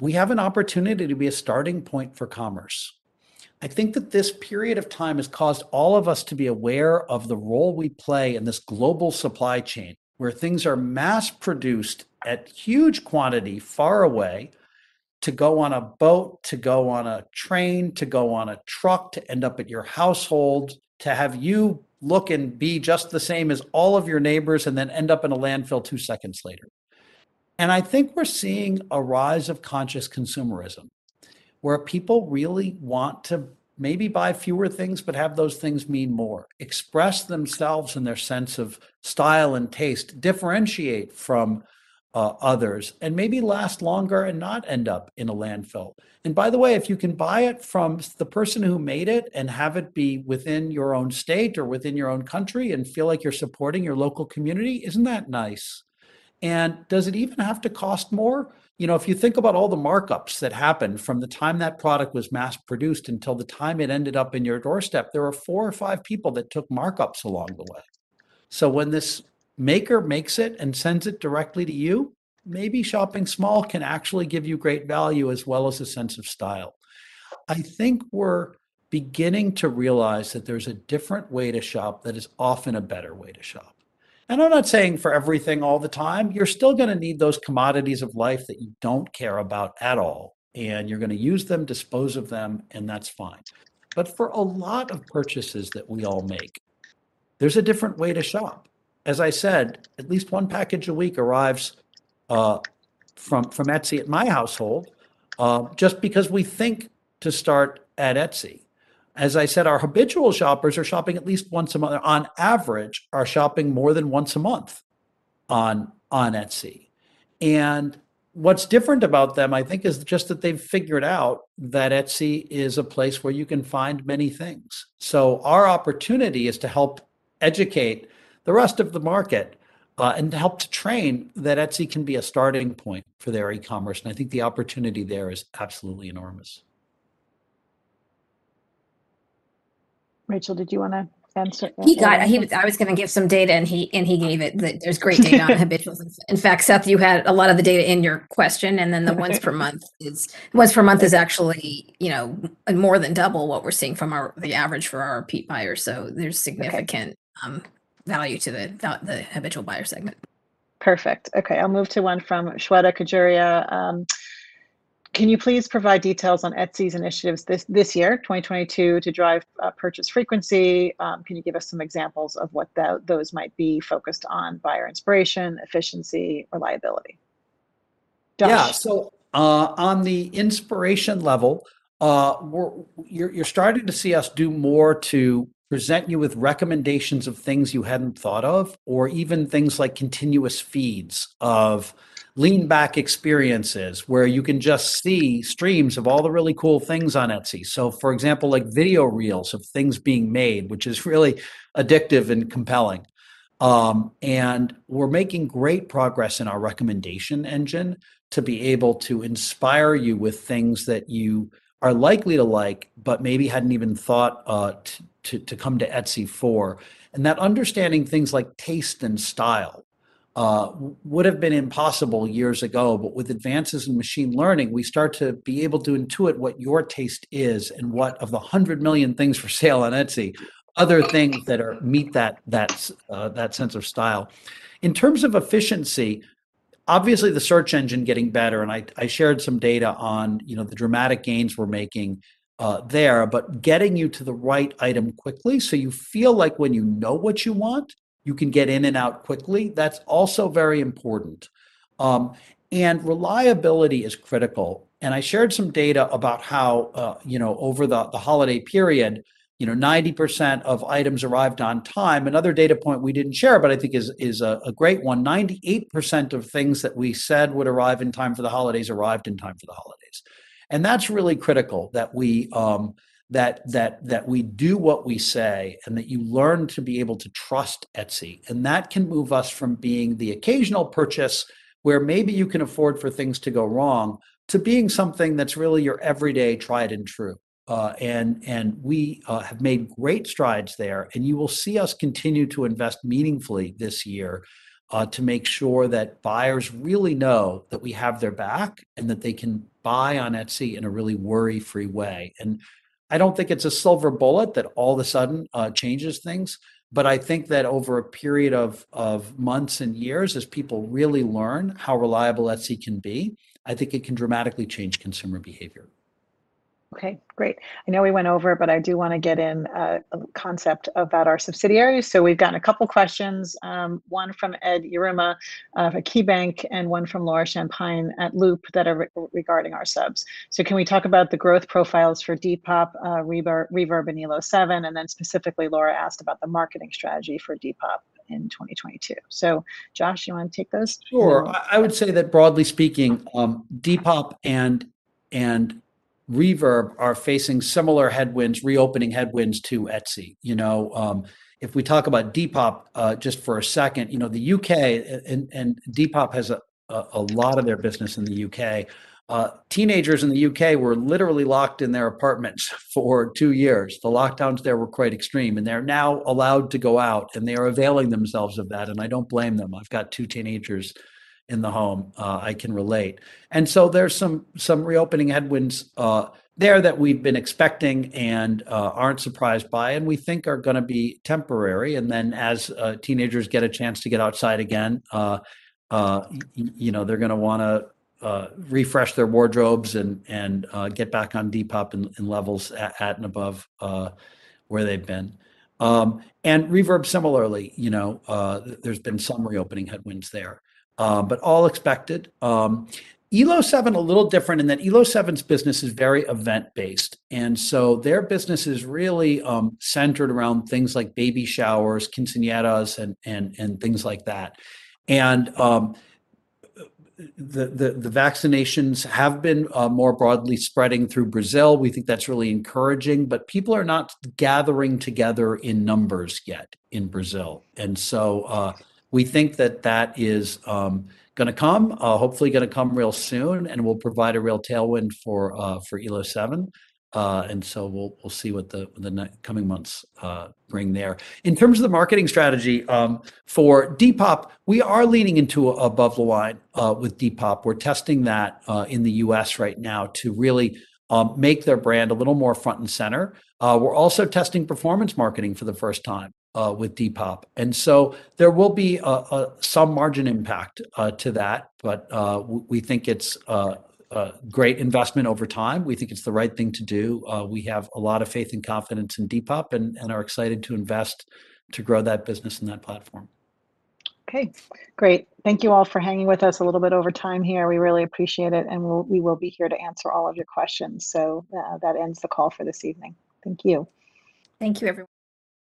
we have an opportunity to be a starting point for commerce. I think that this period of time has caused all of us to be aware of the role we play in this global supply chain, where things are mass-produced at huge quantity, far away, to go on a boat, to go on a train, to go on a truck, to end up at your household, to have you look and be just the same as all of your neighbors, and then end up in a landfill two seconds later. I think we're seeing a rise of conscious consumerism, where people really want to maybe buy fewer things, but have those things mean more, express themselves and their sense of style and taste, differentiate from others, and maybe last longer and not end up in a landfill. By the way, if you can buy it from the person who made it and have it be within your own state or within your own country and feel like you're supporting your local community, isn't that nice? Does it even have to cost more? You know, if you think about all the markups that happen from the time that product was mass-produced until the time it ended up in your doorstep, there were four or five people that took markups along the way. When this maker makes it and sends it directly to you, maybe shopping small can actually give you great value as well as a sense of style. I think we're beginning to realize that there's a different way to shop that is often a better way to shop. I'm not saying for everything all the time. You're still gonna need those commodities of life that you don't care about at all, and you're gonna use them, dispose of them, and that's fine. For a lot of purchases that we all make, there's a different way to shop. As I said, at least one package a week arrives from Etsy at my household just because we think to start at Etsy. As I said, our habitual shoppers are shopping at least once a month, on average, are shopping more than once a month on Etsy. What's different about them, I think, is just that they've figured out that Etsy is a place where you can find many things. Our opportunity is to help educate the rest of the market, and to help to train that Etsy can be a starting point for their e-commerce, and I think the opportunity there is absolutely enormous. Rachel, did you wanna answer that one? He got it. I was gonna give some data, and he gave it. There's great data on habituals. In fact, Seth, you had a lot of the data in your question, and then the once per month is actually, you know, more than double what we're seeing from our, the average for our repeat buyers. So there's significant. Okay value to the habitual buyer segment. Perfect. Okay, I'll move to one from Shweta Khajuria. Can you please provide details on Etsy's initiatives this year, 2022, to drive purchase frequency? Can you give us some examples of what those might be focused on, buyer inspiration, efficiency, reliability? Josh? On the inspiration level, you're starting to see us do more to present you with recommendations of things you hadn't thought of, or even things like continuous feeds of lean back experiences, where you can just see streams of all the really cool things on Etsy. For example, like video reels of things being made, which is really addictive and compelling. We're making great progress in our recommendation engine to be able to inspire you with things that you are likely to like, but maybe hadn't even thought to come to Etsy for. That understanding things like taste and style would've been impossible years ago. With advances in machine learning, we start to be able to intuit what your taste is, and what, of the 100 million things for sale on Etsy, other things that are meet that sense of style. In terms of efficiency. Obviously, the search engine getting better, and I shared some data on, you know, the dramatic gains we're making there. Getting you to the right item quickly so you feel like when you know what you want, you can get in and out quickly, that's also very important. Reliability is critical. I shared some data about how, you know, over the holiday period, you know, 90% of items arrived on time. Another data point we didn't share, but I think it is a great one, 98% of things that we said would arrive in time for the holidays arrived in time for the holidays. That's really critical that we do what we say and that you learn to be able to trust Etsy. That can move us from being the occasional purchase where maybe you can afford for things to go wrong to being something that's really your everyday tried and true. We have made great strides there, and you will see us continue to invest meaningfully this year to make sure that buyers really know that we have their back and that they can buy on Etsy in a really worry-free way. I don't think it's a silver bullet that all of a sudden changes things, but I think that over a period of months and years as people really learn how reliable Etsy can be, I think it can dramatically change consumer behavior. Okay. Great. I know we went over, but I do wanna get in a concept about our subsidiaries. We've gotten a couple questions, one from Ed Yruma of KeyBanc and one from Laura Champine at Loop that are regarding our subs. Can we talk about the growth profiles for Depop, Reverb, and Elo7? And then specifically, Laura asked about the marketing strategy for Depop in 2022. Josh, you wanna take those? Sure. I would say that broadly speaking, Depop and Reverb are facing similar headwinds, reopening headwinds to Etsy. You know, if we talk about Depop, just for a second, you know, the U.K., and Depop has a lot of their business in the U.K., teenagers in the U.K. were literally locked in their apartments for two years. The lockdowns there were quite extreme, and they're now allowed to go out, and they are availing themselves of that, and I don't blame them. I've got two teenagers in the home. I can relate. There's some reopening headwinds there that we've been expecting and aren't surprised by and we think are gonna be temporary. Then as teenagers get a chance to get outside again, you know, they're gonna wanna refresh their wardrobes and get back on Depop in levels at and above where they've been. Reverb similarly, you know, there's been some reopening headwinds there, but all expected. Elo7, a little different in that Elo7's business is very event-based, and so their business is really centered around things like baby showers, quinceañeras, and things like that. The vaccinations have been more broadly spreading through Brazil. We think that's really encouraging, but people are not gathering together in numbers yet in Brazil. We think that that is gonna come, hopefully gonna come real soon and will provide a real tailwind for Elo7. We'll see what the coming months bring there. In terms of the marketing strategy, for Depop, we are leaning into above the line with Depop. We're testing that in the U.S. right now to really make their brand a little more front and center. We're also testing performance marketing for the first time with Depop. There will be some margin impact to that, but we think it's a great investment over time. We think it's the right thing to do. We have a lot of faith and confidence in Depop and are excited to invest to grow that business and that platform. Okay, great. Thank you all for hanging with us a little bit over time here. We really appreciate it, and we will be here to answer all of your questions. That ends the call for this evening. Thank you. Thank you, everyone.